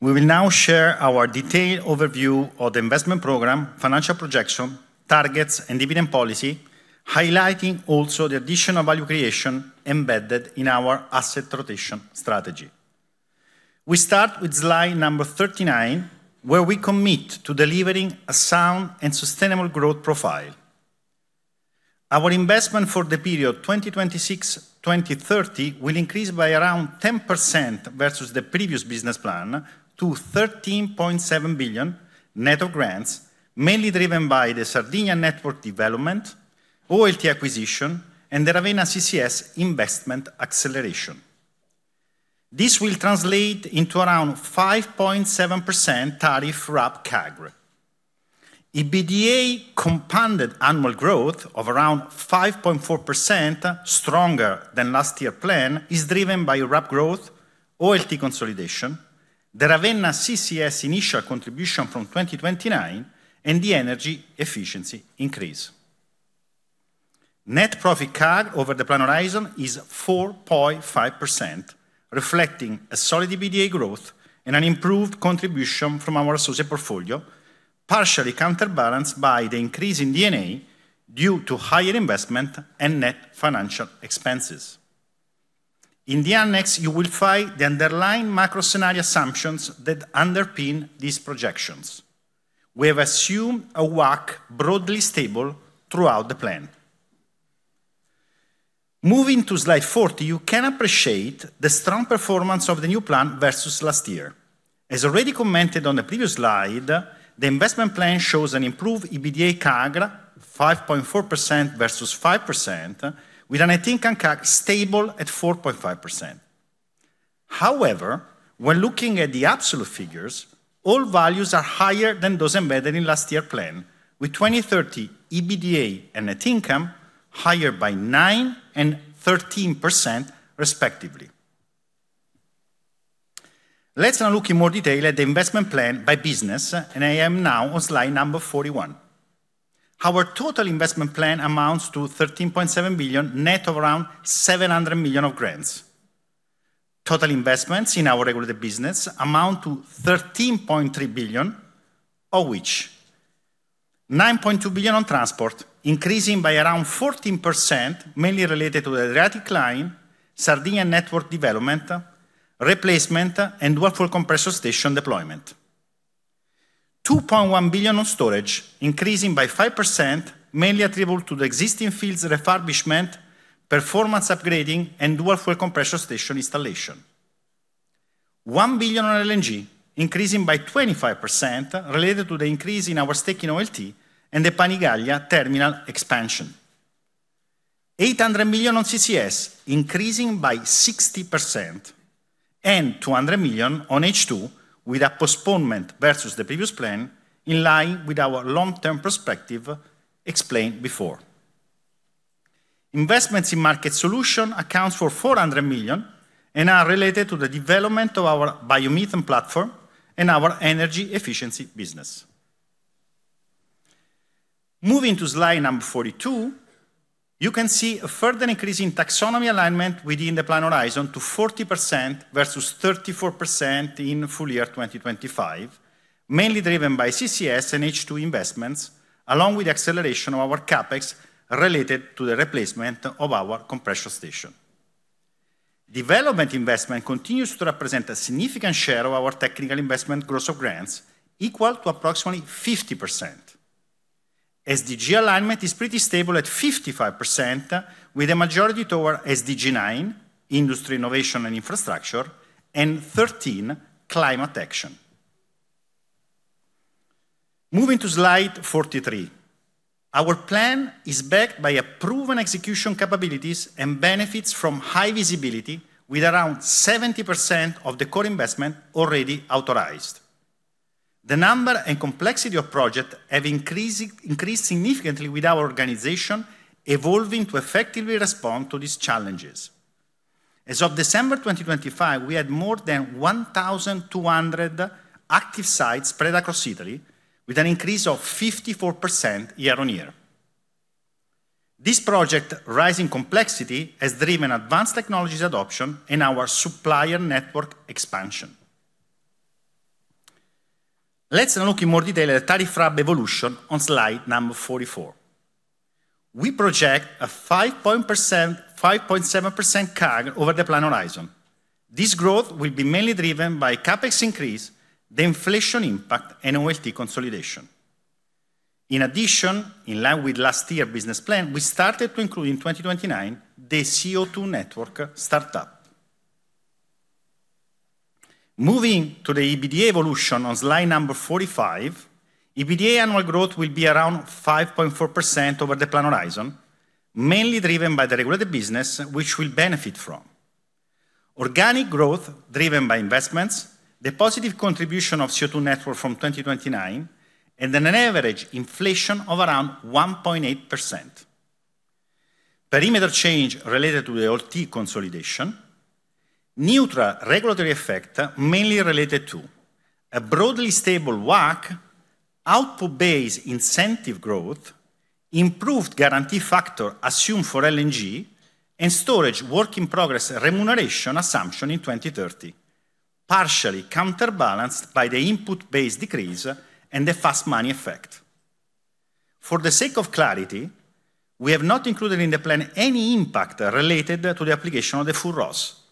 We will now share our detailed overview of the investment program, financial projection, targets, and dividend policy, highlighting also the additional value creation embedded in our asset rotation strategy. We start with Slide Number 39, where we commit to delivering a sound and sustainable growth profile. Our investment for the period 2026-2030 will increase by around 10% versus the previous business plan to 13.7 billion net of grants, mainly driven by the Sardinia network development, OLT acquisition, and the Ravenna CCS investment acceleration. This will translate into around 5.7% tariff RAB CAGR. EBITDA compounded annual growth of around 5.4%, stronger than last year plan, is driven by RAB growth, OLT consolidation, the Ravenna CCS initial contribution from 2029, and the energy efficiency increase. Net profit CAGR over the plan horizon is 4.5%, reflecting a solid EBITDA growth and an improved contribution from our associate portfolio, partially counterbalanced by the increase in D&A due to higher investment and net financial expenses. In the Annex, you will find the underlying macro scenario assumptions that underpin these projections. We have assumed a WACC broadly stable throughout the plan. Moving to Slide 40, you can appreciate the strong performance of the new plan versus last year. As already commented on the previous slide, the investment plan shows an improved EBITDA CAGR, 5.4% versus 5%, with a net income CAGR stable at 4.5%. When looking at the absolute figures, all values are higher than those embedded in last year plan, with 2030 EBITDA and net income higher by 9% and 13% respectively. Let's now look in more detail at the investment plan by business. I am now on Slide Number 41. Our total investment plan amounts to 13.7 billion, net of around 700 million of grants. Total investments in our regulated business amount to 13.3 billion, of which 9.2 billion on transport, increasing by around 14%, mainly related to the Adriatic Line, Sardinia network development, replacement, and dual-fuel compressor station deployment. 2.1 billion on storage, increasing by 5%, mainly attributable to the existing fields refurbishment, performance upgrading, and dual-fuel compressor station installation. 1 billion on LNG, increasing by 25%, related to the increase in our stake in OLT and the Panigaglia terminal expansion. 800 million on CCS, increasing by 60%, and 200 million on H2, with a postponement versus the previous plan in line with our long-term perspective explained before. Investments in market solution accounts for 400 million and are related to the development of our biomethane platform and our energy efficiency business. Moving to Slide Number 42, you can see a further increase in taxonomy alignment within the plan horizon to 40% versus 34% in full year 2025, mainly driven by CCS and H2 investments, along with the acceleration of our CapEx related to the replacement of our compressor station. Development investment continues to represent a significant share of our technical investment gross of grants equal to approximately 50%. SDG alignment is pretty stable at 55%, with a majority toward SDG 9, industry innovation and infrastructure, and 13, climate action. Moving to Slide 43. Our plan is backed by a proven execution capabilities and benefits from high visibility with around 70% of the core investment already authorized. The number and complexity of project have increased significantly with our organization evolving to effectively respond to these challenges. As of December 2025, we had more than 1,200 active sites spread across Italy with an increase of 54% year-on-year. This project rising complexity has driven advanced technologies adoption and our supplier network expansion. Let's now look in more detail at tariff RAB evolution on Slide Number 44. We project a 5.7% CAGR over the plan horizon. This growth will be mainly driven by CapEx increase, the inflation impact, and OLT consolidation. In line with last year business plan, we started to include in 2029 the CO2 network startup. Moving to the EBITDA evolution on Slide Number 45, EBITDA annual growth will be around 5.4% over the plan horizon, mainly driven by the regulated business, which will benefit from organic growth driven by investments, the positive contribution of CO2 network from 2029, and an average inflation of around 1.8%. Perimeter change related to the OLT consolidation. Neutral regulatory effect mainly related to a broadly stable WACC, output-based incentive growth, improved guarantee factor assumed for LNG, and storage work in progress remuneration assumption in 2030, partially counterbalanced by the input-based decrease and the fast money effect. For the sake of clarity, we have not included in the plan any impact related to the application of the full ROSS.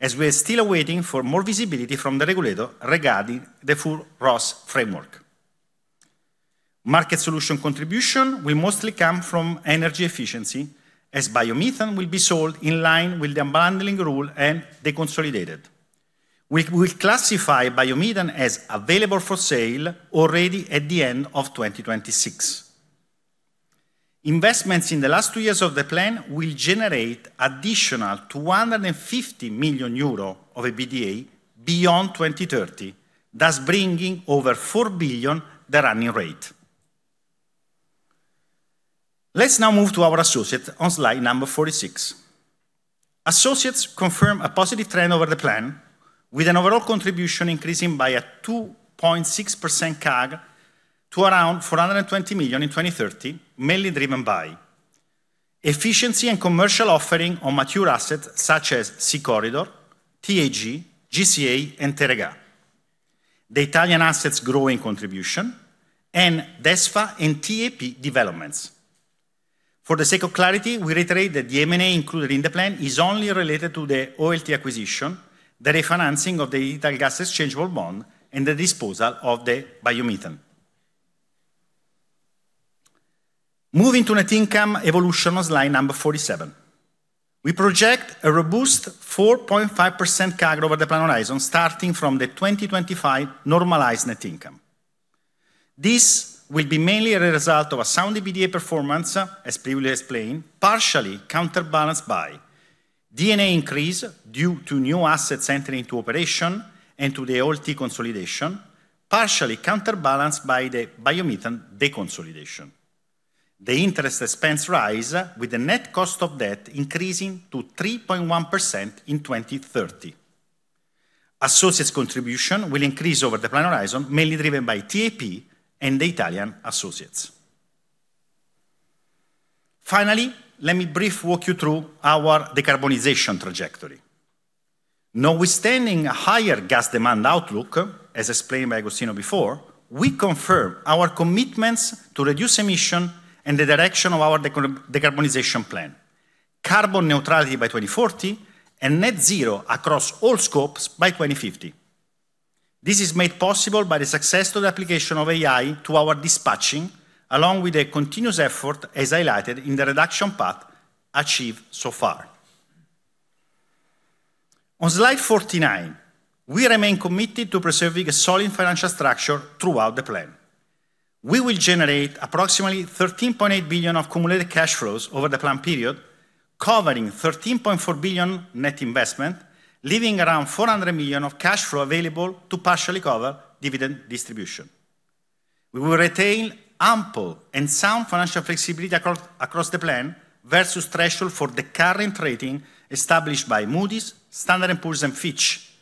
As we are still waiting for more visibility from the regulator regarding the full ROSS framework. Market solution contribution will mostly come from energy efficiency, as biomethane will be sold in line with the unbundling rule and deconsolidated. We classify biomethane as available for sale already at the end of 2026. Investments in the last two years of the plan will generate additional 250 million euro of EBITDA beyond 2030, thus bringing over 4 billion the running rate. Let's now move to our associates on Slide Number 46. Associates confirm a positive trend over the plan, with an overall contribution increasing by a 2.6% CAGR to around 420 million in 2030, mainly driven by efficiency and commercial offering on mature assets such as SoutH2 Corridor, TAG, GCA and Teréga. The Italian assets growing contribution and DESFA and TAP developments. For the sake of clarity, we reiterate that the M&A included in the plan is only related to the OLT acquisition, the refinancing of the Italgas changeable bond and the disposal of the biomethane. Moving to net income evolution on Slide Number 47. We project a robust 4.5% CAGR over the plan horizon starting from the 2025 normalized net income. This will be mainly a result of a sound EBITDA performance, as previously explained, partially counterbalanced by D&A increase due to new assets entering into operation and to the OLT consolidation, partially counterbalanced by the biomethane deconsolidation. The interest expense rise with the net cost of debt increasing to 3.1% in 2030. Associates contribution will increase over the plan horizon, mainly driven by TAP and the Italian associates. Finally, let me brief walk you through our decarbonization trajectory. Notwithstanding a higher gas demand outlook, as explained by Agostino before, we confirm our commitments to reduce emission and the direction of our decarbonization plan. Carbon neutrality by 2040 and net zero across all scopes by 2050. This is made possible by the successful application of AI to our dispatching, along with a continuous effort, as highlighted in the reduction path achieved so far. On Slide 49, we remain committed to preserving a solid financial structure throughout the plan. We will generate approximately 13.8 billion of cumulative cash flows over the plan period, covering 13.4 billion net investment, leaving around 400 million of cash flow available to partially cover dividend distribution. We will retain ample and sound financial flexibility across the plan versus threshold for the current rating established by Moody's, Standard and Poor's and Fitch,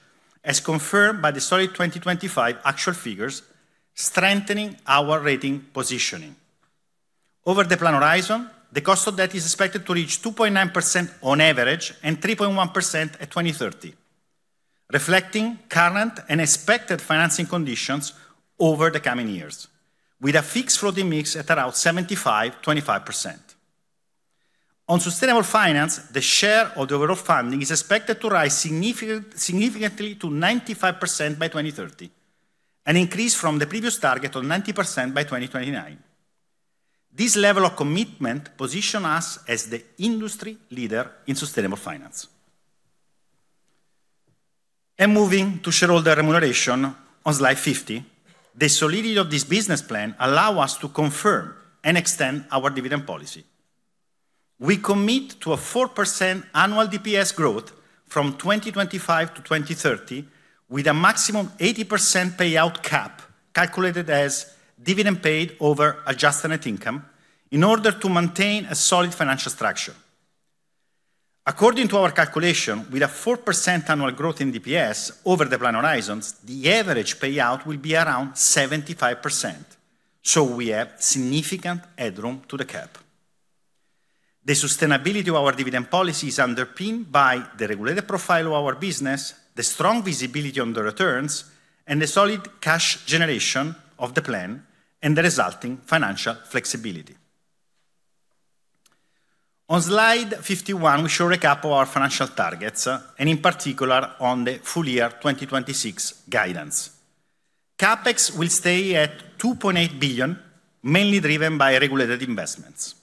as confirmed by the solid 2025 actual figures, strengthening our rating positioning. Over the plan horizon, the cost of debt is expected to reach 2.9% on average and 3.1% at 2030, reflecting current and expected financing conditions over the coming years, with a fixed floating mix at around 75%/25%. On sustainable finance, the share of the overall funding is expected to rise significantly to 95% by 2030, an increase from the previous target of 90% by 2029. This level of commitment position us as the industry leader in sustainable finance. Moving to shareholder remuneration on Slide 50. The solidity of this business plan allow us to confirm and extend our dividend policy. We commit to a 4% annual DPS growth from 2025 to 2030, with a maximum 80% payout cap, calculated as dividend paid over adjusted net income in order to maintain a solid financial structure. According to our calculation, with a 4% annual growth in DPS over the plan horizons, the average payout will be around 75%. We have significant headroom to the cap. The sustainability of our dividend policy is underpinned by the regulated profile of our business, the strong visibility on the returns, and the solid cash generation of the plan and the resulting financial flexibility. On Slide 51, we show a recap of our financial targets, in particular on the full year 2026 guidance. CapEx will stay at 2.8 billion, mainly driven by regulated investments.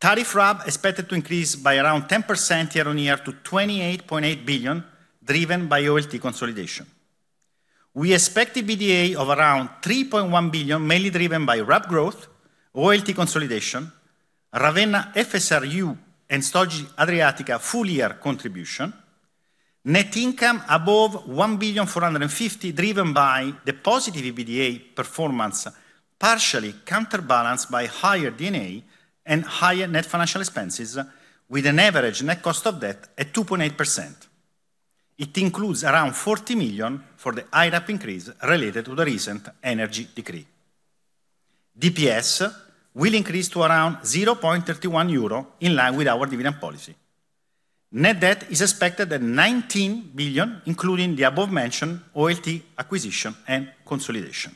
Tariff RAB expected to increase by around 10% year-on-year to 28.8 billion, driven by OLT consolidation. We expect EBITDA of around 3.1 billion, mainly driven by RAB growth, OLT consolidation, Ravenna FSRU and Stogit Adriatica full-year contribution. Net income above 1.45 billion, driven by the positive EBITDA performance, partially counterbalanced by higher D&A and higher net financial expenses with an average net cost of debt at 2.8%. It includes around 40 million for the high RAB increase related to the recent Energy Decree. DPS will increase to around 0.31 euro in line with our dividend policy. Net debt is expected at 19 billion, including the above-mentioned OLT acquisition and consolidation.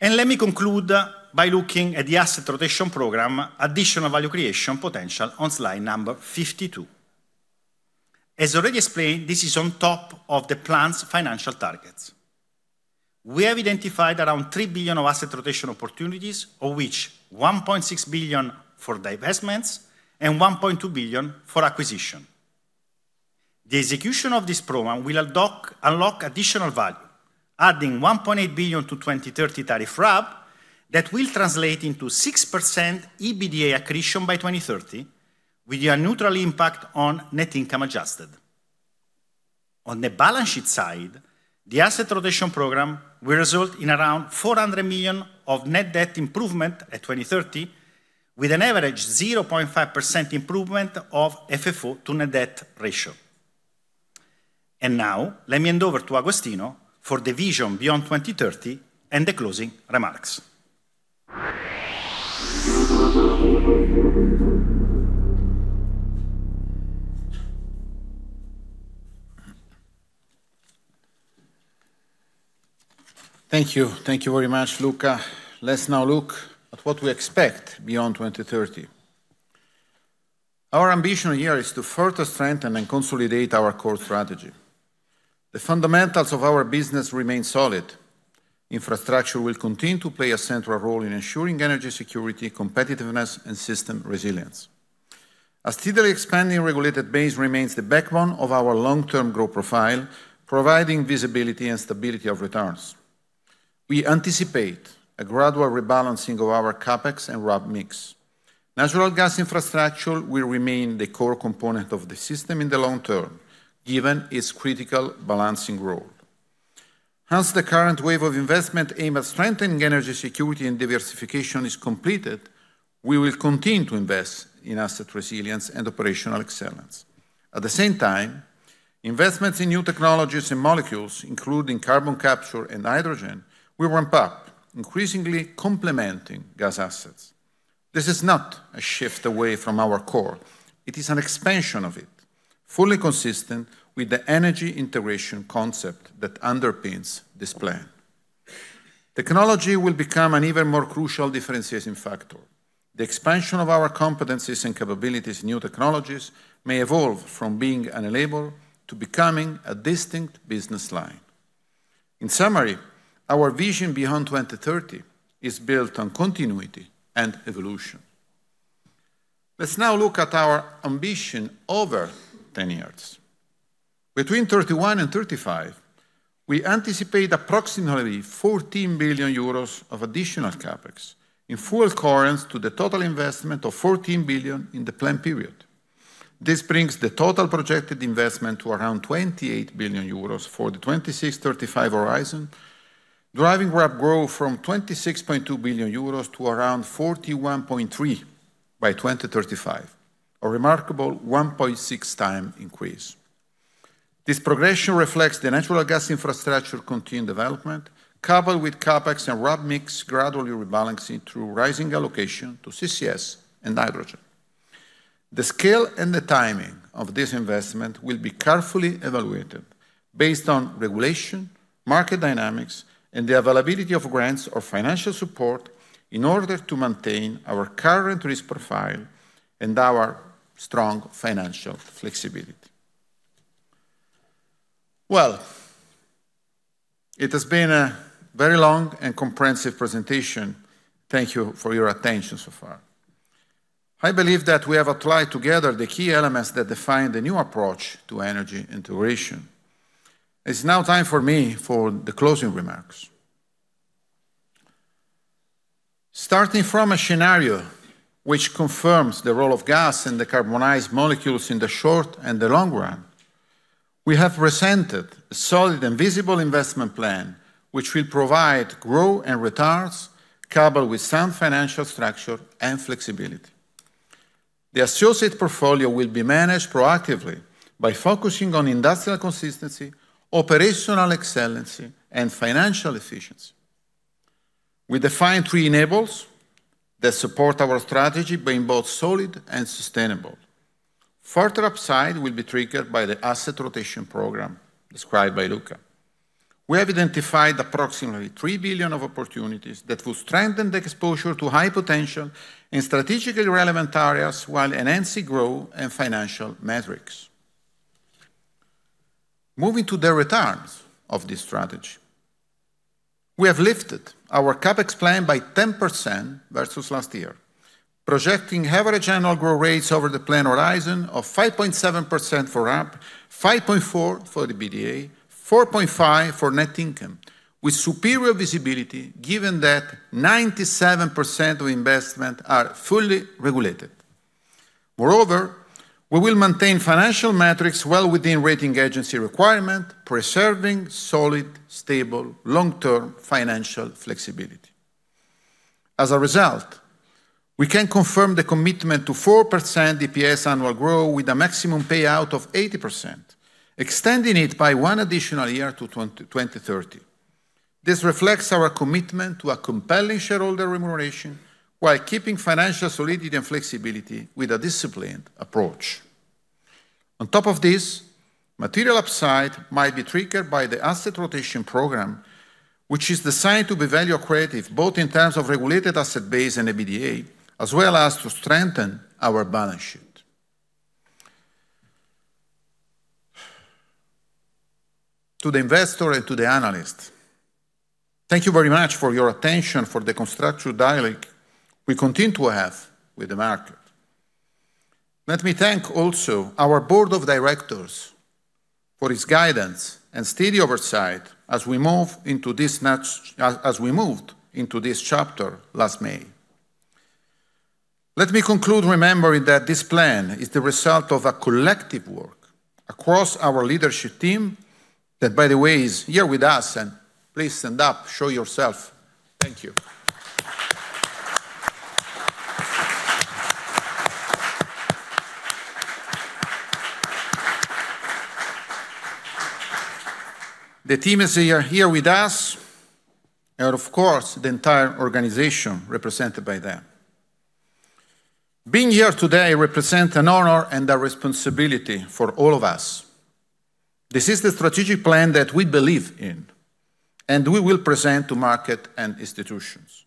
Let me conclude by looking at the asset rotation program additional value creation potential on Slide Number 52. As already explained, this is on top of the plan's financial targets. We have identified around 3 billion of asset rotation opportunities, of which 1.6 billion for divestments and 1.2 billion for acquisition. The execution of this program will unlock additional value, adding 1.8 billion to 2030 tariff RAB that will translate into 6% EBITDA accretion by 2030 with a neutral impact on net income adjusted. On the balance sheet side, the asset rotation program will result in around 400 million of net debt improvement at 2030 with an average 0.5% improvement of FFO to net debt ratio. Now let me hand over to Agostino for the vision beyond 2030 and the closing remarks. Thank you. Thank you very much, Luca. Let's now look at what we expect beyond 2030. Our ambition here is to further strengthen and consolidate our core strategy. The fundamentals of our business remain solid. Infrastructure will continue to play a central role in ensuring energy security, competitiveness, and system resilience. A steadily expanding regulated base remains the backbone of our long-term growth profile, providing visibility and stability of returns. We anticipate a gradual rebalancing of our CapEx and RAB mix. Natural gas infrastructure will remain the core component of the system in the long term, given its critical balancing role. Hence, the current wave of investment aimed at strengthening energy security and diversification is completed, we will continue to invest in asset resilience and operational excellence. At the same time, investments in new technologies and molecules, including carbon capture and hydrogen, will ramp up, increasingly complementing gas assets. This is not a shift away from our core. It is an expansion of it, fully consistent with the energy integration concept that underpins this plan. Technology will become an even more crucial differentiation factor. The expansion of our competencies and capabilities in new technologies may evolve from being an enabler to becoming a distinct business line. In summary, our vision beyond 2030 is built on continuity and evolution. Let's now look at our ambition over 10 years. Between 2031 and 2035, we anticipate approximately 14 billion euros of additional CapEx in full accordance to the total investment of 14 billion in the plan period. This brings the total projected investment to around 28 billion euros for the 2026-2035 horizon, driving RAB growth from 26.2 billion euros to around 41.3 billion by 2035, a remarkable 1.6x increase. This progression reflects the natural gas infrastructure continued development, coupled with CapEx and RAB mix gradually rebalancing through rising allocation to CCS and hydrogen. The scale and the timing of this investment will be carefully evaluated based on regulation, market dynamics, and the availability of grants or financial support in order to maintain our current risk profile and our strong financial flexibility. Well, it has been a very long and comprehensive presentation. Thank you for your attention so far. I believe that we have applied together the key elements that define the new approach to energy integration. It's now time for me for the closing remarks. Starting from a scenario which confirms the role of gas in the carbonized molecules in the short and the long run, we have presented a solid and visible investment plan which will provide growth and returns coupled with sound financial structure and flexibility. The associate portfolio will be managed proactively by focusing on industrial consistency, operational excellency, and financial efficiency. We define three enablers that support our strategy being both solid and sustainable. Further upside will be triggered by the asset rotation program described by Luca. We have identified approximately 3 billion of opportunities that will strengthen the exposure to high potential in strategically relevant areas while enhancing growth and financial metrics. Moving to the returns of this strategy. We have lifted our CapEx plan by 10% versus last year, projecting average annual growth rates over the plan horizon of 5.7% for RAB, 5.4% for the EBITDA, 4.5% for net income, with superior visibility given that 97% of investment are fully regulated. Moreover, we will maintain financial metrics well within rating agency requirement, preserving solid, stable, long-term financial flexibility. As a result, we can confirm the commitment to 4% EPS annual growth with a maximum payout of 80%, extending it by one additional year to 2030. This reflects our commitment to a compelling shareholder remuneration while keeping financial solidity and flexibility with a disciplined approach. On top of this, material upside might be triggered by the asset rotation program, which is designed to be value creative, both in terms of regulated asset base and EBITDA, as well as to strengthen our balance sheet. To the investor and to the analyst, thank you very much for your attention, for the constructive dialogue we continue to have with the market. Let me thank also our Board of Directors for its guidance and steady oversight as we moved into this chapter last May. Let me conclude remembering that this plan is the result of a collective work across our leadership team, that by the way, is here with us, and please stand up. Show yourself. Thank you. The team is here with us, and of course, the entire organization represented by them. Being here today represents an honor and a responsibility for all of us. This is the strategic plan that we believe in, and we will present to market and institutions.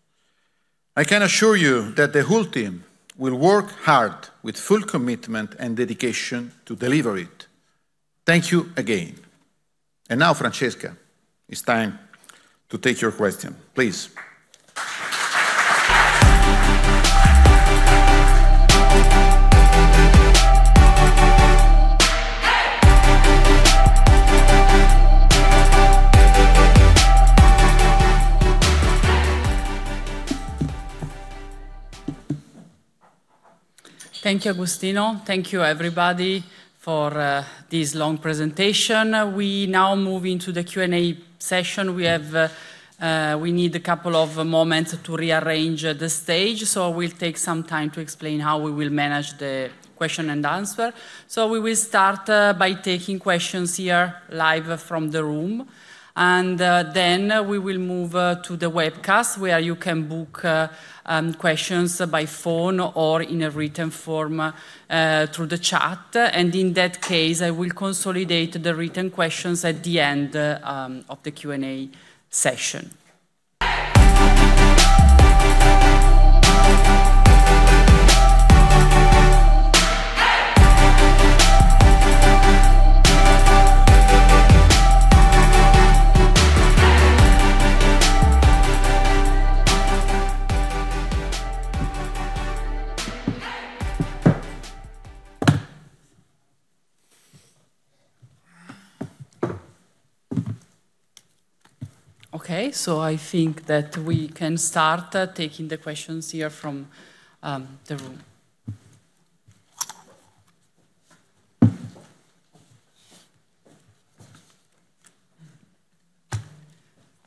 I can assure you that the whole team will work hard with full commitment and dedication to deliver it. Thank you again. Now, Francesca, it's time to take your question. Please. Thank you, Agostino. Thank you everybody for this long presentation. We now move into the Q&A session. We have, we need a couple of moments to rearrange the stage. We'll take some time to explain how we will manage the question and answer. Then we will move to the webcast, where you can book questions by phone or in a written form through the chat. In that case, I will consolidate the written questions at the end of the Q&A session. Okay, I think that we can start taking the questions here from the room.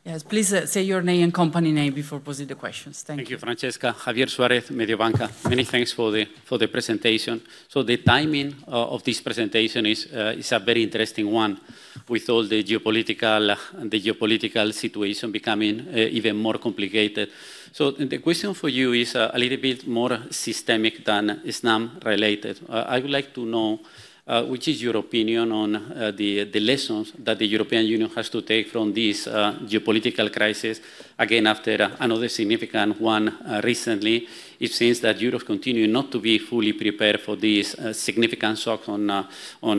Yes, please say your name and company name before posing the questions. Thank you. Thank you, Francesca. Javier Suarez, Mediobanca. Many thanks for the presentation. The timing of this presentation is a very interesting one with all the geopolitical situation becoming even more complicated. The question for you is a little bit more systemic than Snam related. I would like to know which is your opinion on the lessons that the European Union has to take from this geopolitical crisis? Again, after another significant one, recently, it seems that Europe continue not to be fully prepared for this significant shock on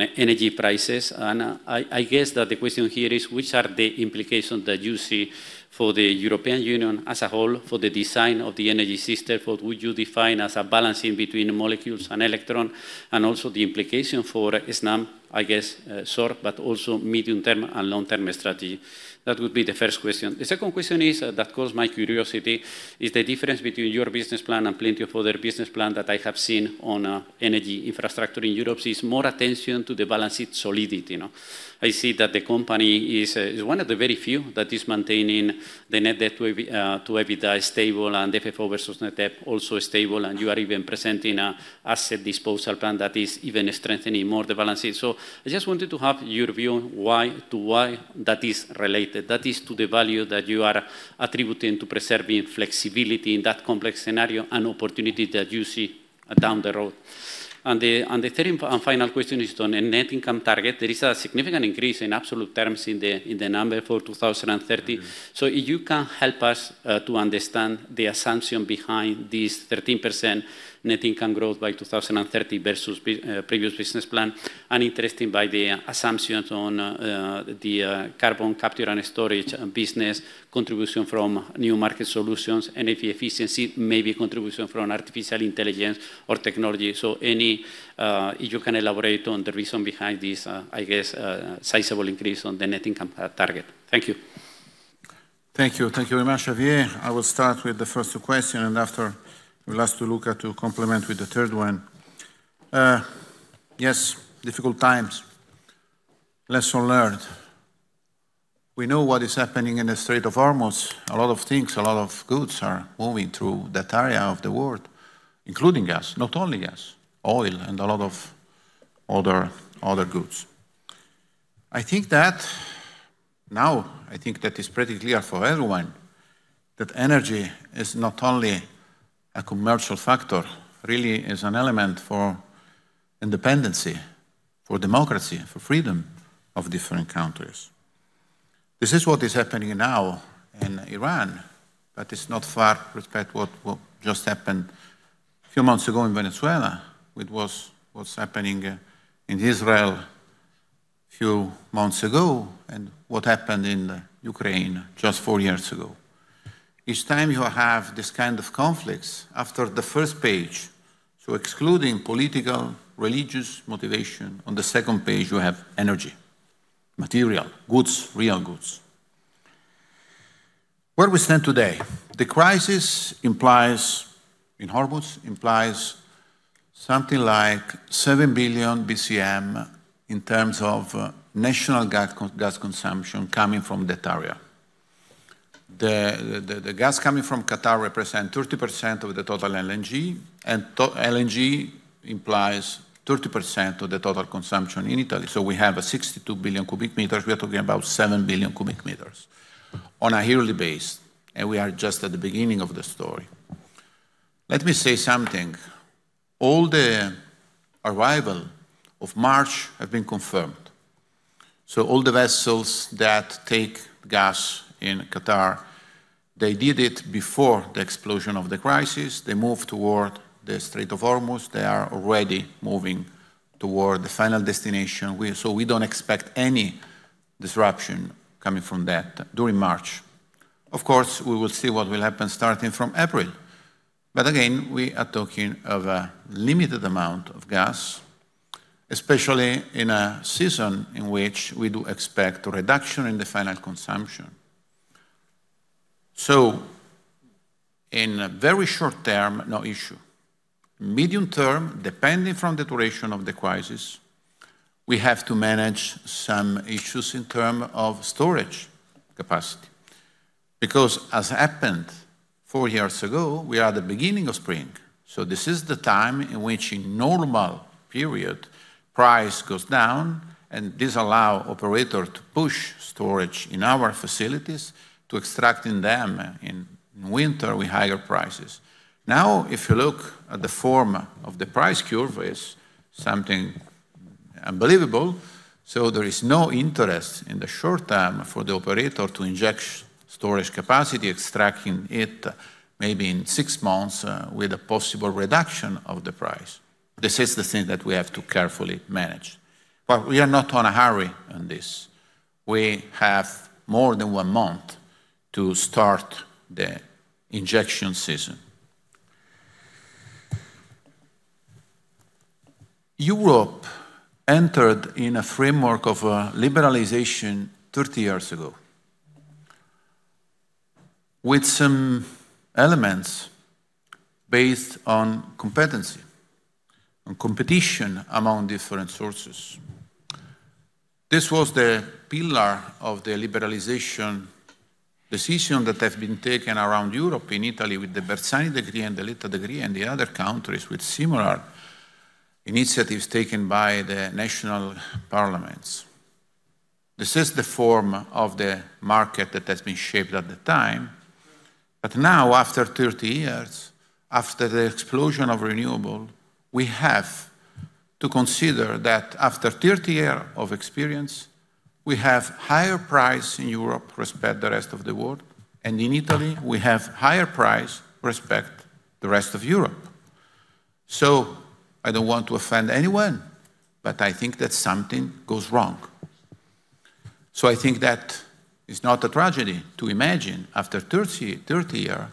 energy prices. I guess that the question here is, which are the implications that you see for the European Union as a whole for the design of the energy system? What would you define as a balancing between molecules and electron? Also the implication for Snam, I guess, short, but also medium-term and long-term strategy. That would be the first question. The second question is, that caused my curiosity, is the difference between your business plan and plenty of other business plan that I have seen on energy infrastructure in Europe is more attention to the balance sheet solidity, you know. I see that the company is one of the very few that is maintaining the net debt to EBITDA is stable, and the FFO versus net debt also is stable, and you are even presenting a asset disposal plan that is even strengthening more the balance sheet. I just wanted to have your view on why that is related, that is to the value that you are attributing to preserving flexibility in that complex scenario and opportunity that you see down the road. The third and final question is on a net income target. There is a significant increase in absolute terms in the number for 2030. If you can help us to understand the assumption behind this 13% net income growth by 2030 versus previous business plan, and interesting by the assumptions on the carbon capture and storage business contribution from new market solutions and efficiency, maybe contribution from artificial intelligence or technology. Any, if you can elaborate on the reason behind this, I guess, sizable increase on the net income target? Thank you. Thank you. Thank you very much, Javier. I will start with the first question, and after, we'll ask Luca to complement with the third one. Yes, difficult times. Lesson learned. We know what is happening in the Strait of Hormuz. A lot of things, a lot of goods are moving through that area of the world, including gas, not only gas, oil, and a lot of other goods. I think that now I think that is pretty clear for everyone that energy is not only a commercial factor. Really is an element for independency, for democracy, for freedom of different countries. This is what is happening now in Iran, but it's not far respect what just happened few months ago in Venezuela, with what's happening in Israel few months ago and what happened in Ukraine just four years ago. Each time you have this kind of conflicts, after the first page, excluding political, religious motivation, on the second page, you have energy, material, goods, real goods. Where we stand today, the crisis implies, in Hormuz, implies something like 7 billion bcm in terms of national gas consumption coming from that area. The gas coming from Qatar represent 30% of the total LNG. LNG implies 30% of the total consumption in Italy. We have a 62 billion cubic meters. We are talking about 7 billion cubic meters on a yearly base, and we are just at the beginning of the story. Let me say something. All the arrival of March have been confirmed. All the vessels that take gas in Qatar, they did it before the explosion of the crisis. They moved toward the Strait of Hormuz. They are already moving toward the final destination. We don't expect any disruption coming from that during March. Of course, we will see what will happen starting from April. Again, we are talking of a limited amount of gas, especially in a season in which we do expect a reduction in the final consumption. In very short term, no issue. Medium term, depending from the duration of the crisis, we have to manage some issues in term of storage capacity. As happened four years ago, we are at the beginning of spring, this is the time in which in normal period price goes down, this allow operator to push storage in our facilities to extracting them in winter with higher prices. If you look at the form of the price curve is something unbelievable. There is no interest in the short term for the operator to inject storage capacity, extracting it maybe in six months, with a possible reduction of the price. This is the thing that we have to carefully manage. We are not on a hurry on this. We have more than one month to start the injection season. Europe entered in a framework of a liberalization 30 years ago with some elements based on competency and competition among different sources. This was the pillar of the liberalization decision that have been taken around Europe and Italy with the Bersani Decree and the Letta Decree and the other countries with similar initiatives taken by the national parliaments. This is the form of the market that has been shaped at the time. Now, after 30 years, after the explosion of renewable, we have to consider that after 30 year of experience, we have higher price in Europe respect the rest of the world. In Italy, we have higher price respect the rest of Europe. I don't want to offend anyone, but I think that something goes wrong. I think that it's not a tragedy to imagine after 30 year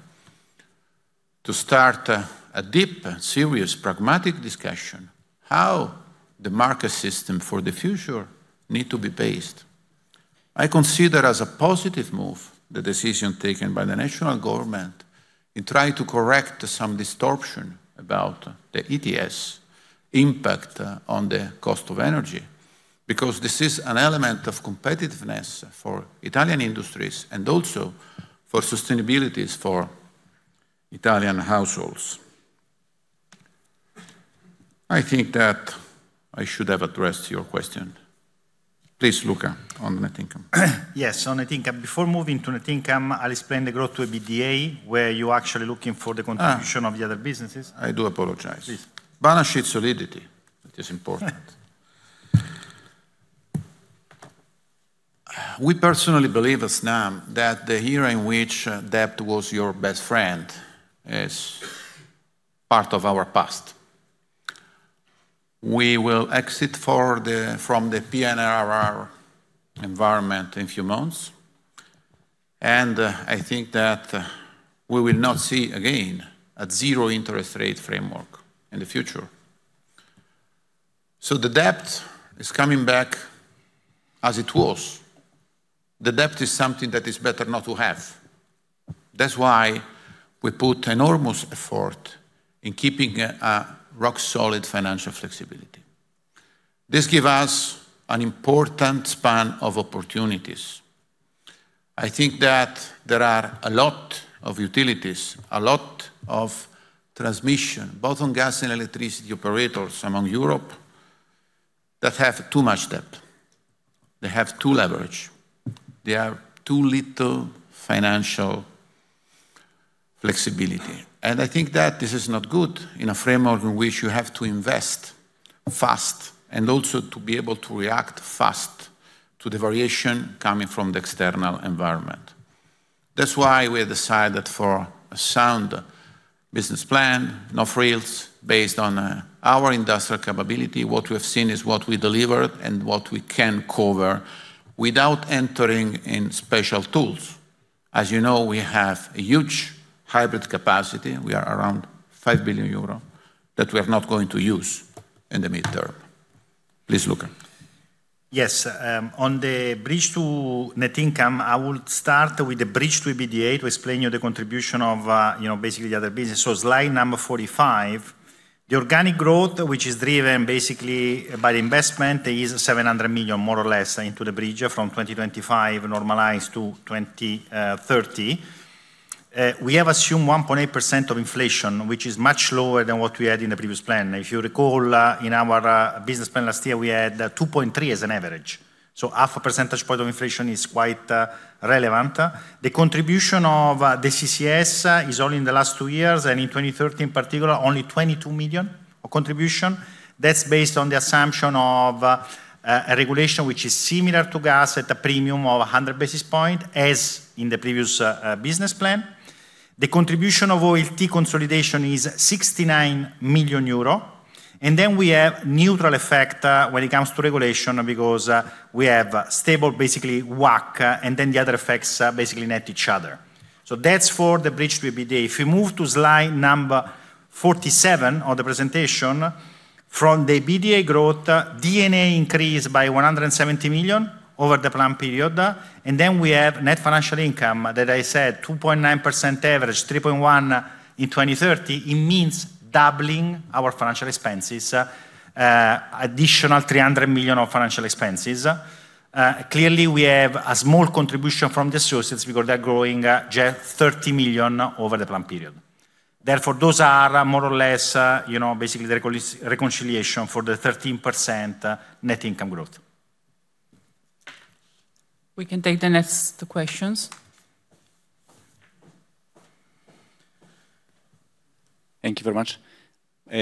to start a deep, serious, pragmatic discussion how the market system for the future need to be based. I consider as a positive move the decision taken by the national government in trying to correct some distortion about the ETS impact on the cost of energy, because this is an element of competitiveness for Italian industries and also for sustainabilities for Italian households. I think that I should have addressed your question. Please, Luca, on net income. Yes, on net income. Before moving to net income, I'll explain the growth to EBITDA, where you're actually looking for the contribution of the other businesses. I do apologize. Please. Balance sheet solidity is important. We personally believe at Snam that the era in which debt was your best friend is part of our past. We will exit from the PNRR environment in few months, and I think that we will not see again a zero interest rate framework in the future. The debt is coming back as it was. The debt is something that is better not to have. That's why we put enormous effort in keeping a rock solid financial flexibility. This give us an important span of opportunities. I think that there are a lot of utilities, a lot of transmission, both on gas and electricity operators among Europe that have too much debt. They have too leverage. They are too little financial flexibility. I think that this is not good in a framework in which you have to invest fast, and also to be able to react fast to the variation coming from the external environment. That's why we have decided for a sound business plan, no frills, based on our industrial capability. What we have seen is what we delivered and what we can cover without entering in special tools. As you know, we have a huge hybrid capacity. We are around 5 billion euro that we are not going to use in the midterm. Please, Luca. On the bridge to net income, I would start with the bridge to EBITDA to explain you the contribution of, you know, basically the other business. Slide Number 45, the organic growth, which is driven basically by the investment, is 700 million, more or less, into the bridge from 2025 normalized to 2030. We have assumed 1.8% of inflation, which is much lower than what we had in the previous plan. If you recall, in our business plan last year, we had 2.3% as an average. 0.5 percentage point of inflation is quite relevant. The contribution of the CCS is only in the last two years, and in 2030 in particular, only 22 million of contribution. That's based on the assumption of a regulation which is similar to gas at a premium of 100 basis points, as in the previous business plan. The contribution of OLT consolidation is 69 million euro. We have neutral effect when it comes to regulation because we have stable, basically WACC, and then the other effects basically net each other. That's for the bridge to EBITDA. If we move to Slide Number 47 of the presentation, from the EBITDA growth, D&A increased by 170 million over the plan period. We have net financial income that I said, 2.9% average, 3.1% in 2030. It means doubling our financial expenses, additional 300 million of financial expenses. Clearly, we have a small contribution from the associates because they are growing just 30 million over the plan period. Those are more or less, you know, basically the reconciliation for the 13%, net income growth. We can take the next questions. Thank you very much.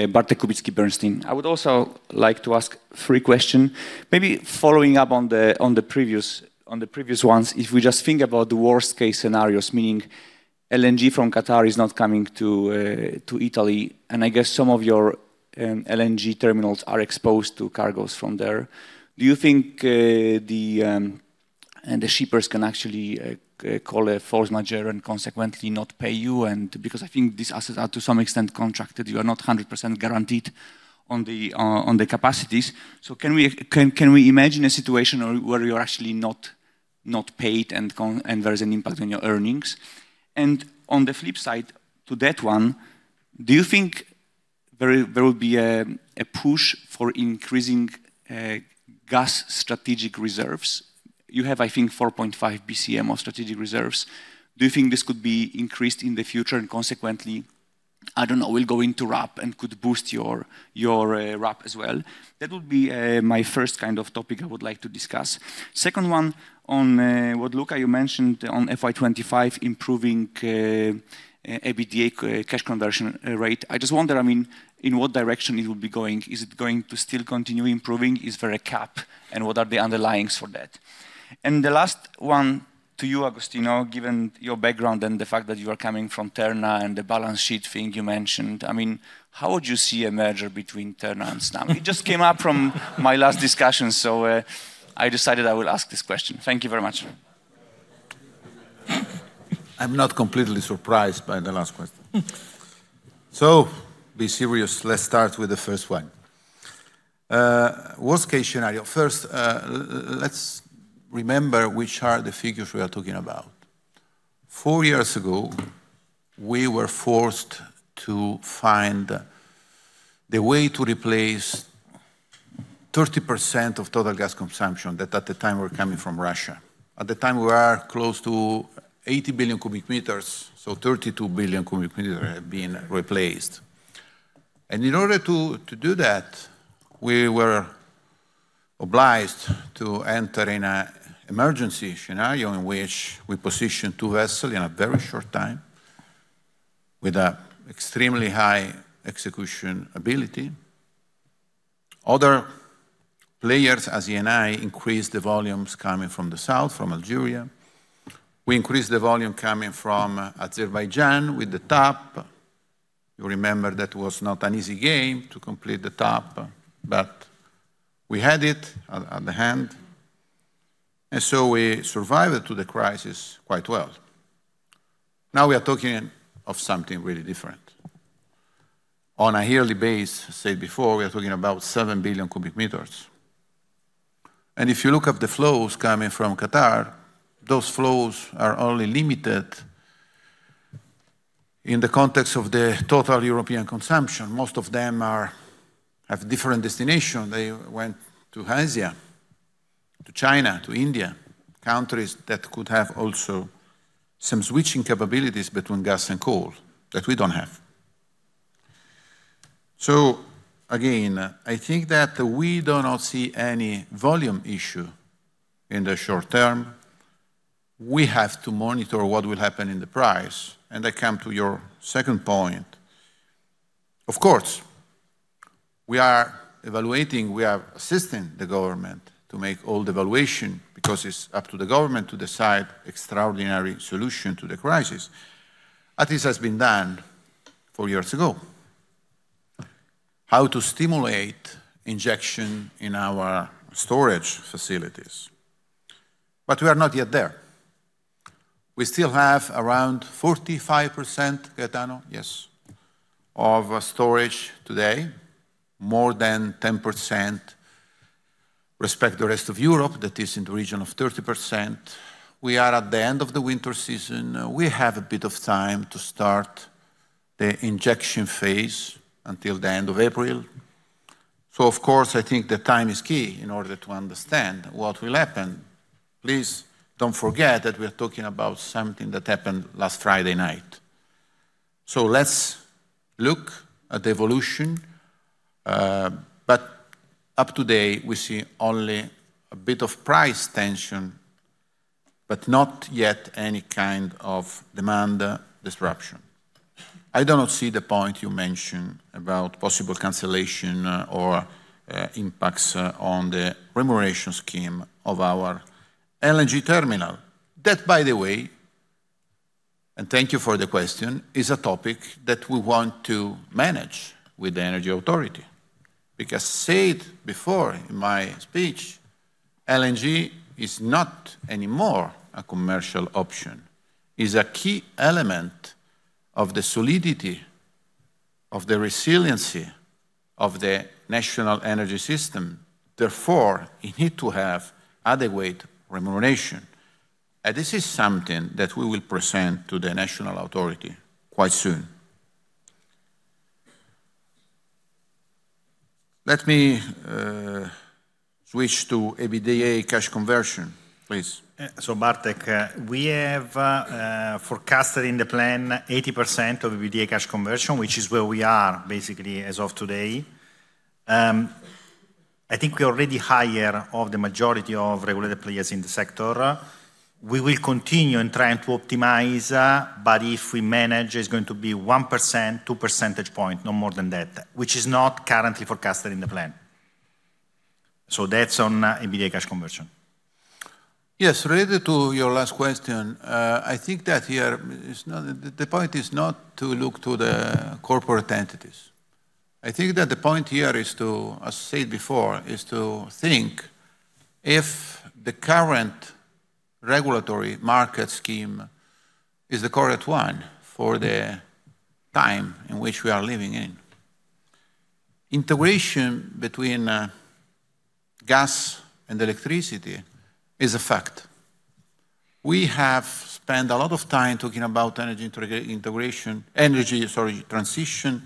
Bartlomiej Kubicki, Bernstein. I would also like to ask three question. Maybe following up on the previous ones, if we just think about the worst case scenarios, meaning LNG from Qatar is not coming to Italy, and I guess some of your LNG terminals are exposed to cargos from there, do you think the shippers can actually call a force majeure and consequently not pay you? Because I think these assets are to some extent contracted, you are not 100% guaranteed on the capacities. Can we imagine a situation where you're actually not paid and there's an impact on your earnings? On the flip side to that one, do you think there will be a push for increasing gas strategic reserves? You have, I think, 4.5 bcm of strategic reserves. Do you think this could be increased in the future and consequently, I don't know, will go into RAB and could boost your RAB as well? That would be my first kind of topic I would like to discuss. Second one on what Luca you mentioned on FY 2025, improving EBITDA cash conversion rate. I just wonder, I mean, in what direction it will be going? Is it going to still continue improving? Is there a cap? What are the underlyings for that? The last one to you, Agostino, given your background and the fact that you are coming from Terna and the balance sheet thing you mentioned, I mean, how would you see a merger between Terna and Snam? It just came up from my last discussion. I decided I will ask this question. Thank you very much. I'm not completely surprised by the last question. Be serious. Let's start with the first one. Worst case scenario. First, let's remember which are the figures we are talking about. Four years ago, we were forced to find the way to replace 30% of total gas consumption that at the time were coming from Russia. At the time, we are close to 80 billion cubic meters, 32 billion cubic meters have been replaced. In order to do that, we were obliged to enter in an emergency scenario in which we positioned two vessels in a very short time with an extremely high execution ability. Other players, as Eni, increased the volumes coming from the south, from Algeria. We increased the volume coming from Azerbaijan with the TAP. You remember that was not an easy game to complete the TAP, but we had it at hand, and so we survived to the crisis quite well. Now we are talking of something really different. On a yearly base, said before, we are talking about 7 billion cubic meters. If you look up the flows coming from Qatar, those flows are only limited in the context of the total European consumption, most of them are have different destination. They went to Asia, to China, to India, countries that could have also some switching capabilities between gas and coal that we don't have. Again, I think that we do not see any volume issue in the short term. We have to monitor what will happen in the price. I come to your second point. We are evaluating, we are assisting the government to make all the evaluation because it's up to the government to decide extraordinary solution to the crisis. This has been done four years ago, how to stimulate injection in our storage facilities. We are not yet there. We still have around 45%, Gaetano? Yes. Of storage today, more than 10% respect the rest of Europe, that is in the region of 30%. We are at the end of the winter season. We have a bit of time to start the injection phase until the end of April. Of course, I think the time is key in order to understand what will happen. Please don't forget that we are talking about something that happened last Friday night. Let's look at the evolution. Up to date, we see only a bit of price tension, but not yet any kind of demand disruption. I do not see the point you mentioned about possible cancellation or impacts on the remuneration scheme of our LNG terminal. That, by the way, and thank you for the question, is a topic that we want to manage with the energy authority. I said before in my speech, LNG is not anymore a commercial option. Is a key element of the solidity, of the resiliency of the national energy system. It need to have adequate remuneration. This is something that we will present to the national authority quite soon. Let me switch to EBITDA cash conversion, please. Bartek, we have forecasted in the plan 80% of EBITDA cash conversion, which is where we are basically as of today. I think we're already higher of the majority of regulated players in the sector. We will continue in trying to optimize, but if we manage, it's going to be 1%, 2 percentage point, no more than that, which is not currently forecasted in the plan. That's on EBITDA cash conversion. Related to your last question, I think that here the point is not to look to the corporate entities. I think that the point here is to, as said before, is to think if the current regulatory market scheme is the correct one for the time in which we are living in. Integration between gas and electricity is a fact. We have spent a lot of time talking about energy integration, energy, sorry, transition,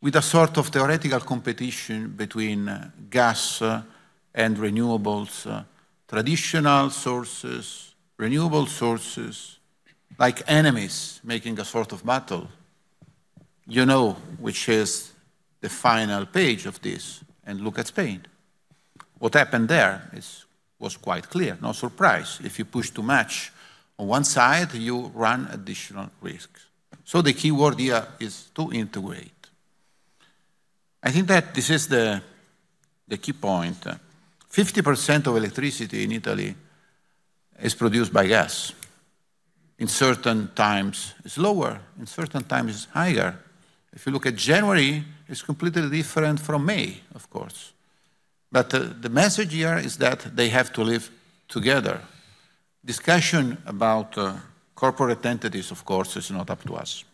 with a sort of theoretical competition between gas and renewables, traditional sources, renewable sources, like enemies making a sort of battle. You know which is the final page of this, look at Spain. What happened there was quite clear. No surprise. If you push too much on one side, you run additional risks. The key word here is to integrate. I think that this is the key point. 50% of electricity in Italy is produced by gas. In certain times, it's lower. In certain times, it's higher. If you look at January, it's completely different from May, of course. The message here is that they have to live together. Discussion about corporate entities, of course, is not up to us.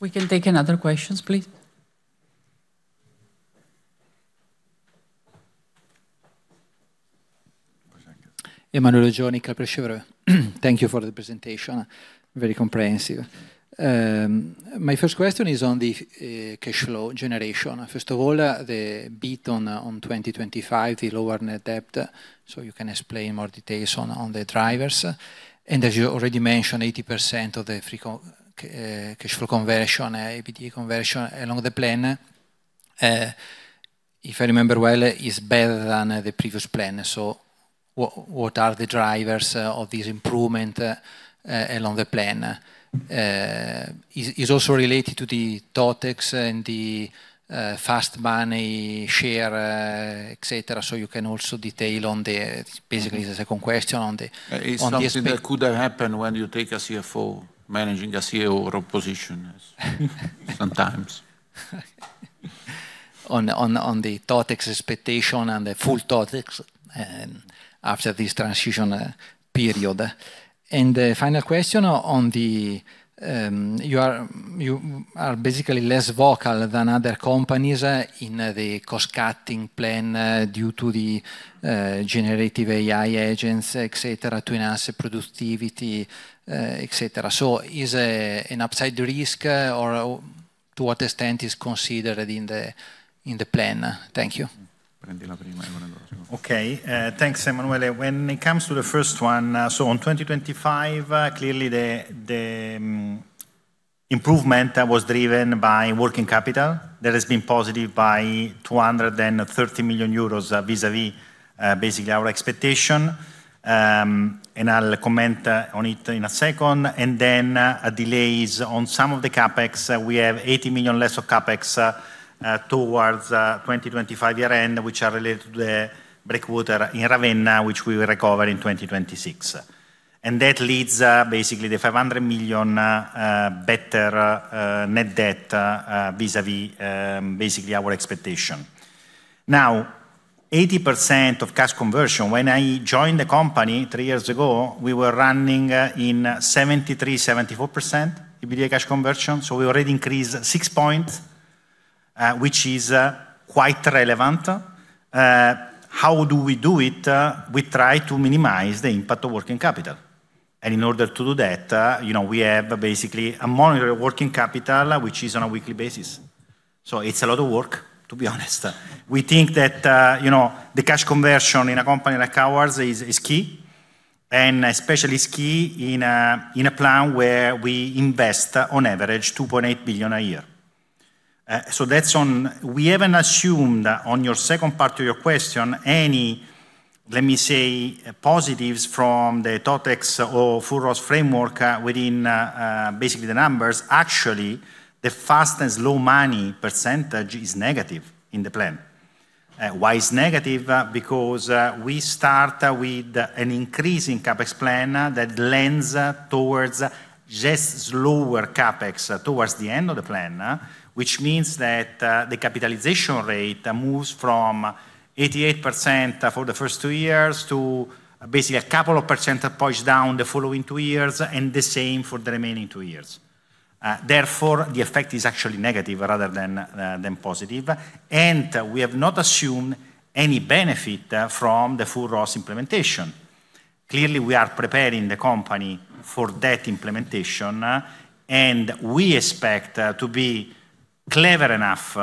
We can take another questions, please. Emanuele Oggioni, Kepler Cheuvreux. Thank you for the presentation. Very comprehensive. My first question is on the cash flow generation. First of all, the beat on 2025, the lower net debt. You can explain more details on the drivers. As you already mentioned, 80% of the free cash flow conversion, EBITDA conversion along the plan, if I remember well, is better than the previous plan. What are the drivers of this improvement along the plan? Is also related to the Totex and the fast money share, et cetera. You can also detail on the, basically the second question on the-- It's something that could happen when you take a CFO managing a CEO position. Sometimes. On the Totex expectation and the full Totex after this transition period. The final question on the-- You are basically less vocal than other companies in the cost-cutting plan due to the generative AI agents, et cetera, to enhance productivity, et cetera. Is an upside risk or to what extent is considered in the plan? Thank you. Thanks, Emmanuel. When it comes to the first one, so on 2025, clearly the improvement that was driven by working capital that has been positive by 230 million euros vis-à-vis basically our expectation. I'll comment on it in a second. Then delays on some of the CapEx. We have 80 million less of CapEx towards 2025 year end, which are related to the breakwater in Ravenna, which we will recover in 2026. That leads basically the 500 million better net debt vis-à-vis basically our expectation. Now, 80% of cash conversion, when I joined the company three years ago, we were running in 73%-74% EBITDA cash conversion. We already increased 6 points, which is quite relevant. How do we do it? We try to minimize the impact of working capital. In order to do that, you know, we have basically a monetary working capital which is on a weekly basis. It's a lot of work, to be honest. We think that, you know, the cash conversion in a company like ours is key, and especially it's key in a plan where we invest on average 2.8 billion a year. We haven't assumed, on your second part of your question, any, let me say, positives from the Totex or full ROSS framework within basically the numbers. Actually, the fast and slow money percentage is negative in the plan. Why it's negative? Because, we start with an increase in CapEx plan that lends towards just lower CapEx towards the end of the plan, which means that the capitalization rate moves from 88% for the first two years to basically a couple of percent push down the following two years, and the same for the remaining two years. Therefore, the effect is actually negative rather than positive. We have not assumed any benefit from the full ROSS implementation. Clearly, we are preparing the company for that implementation, and we expect to be clever enough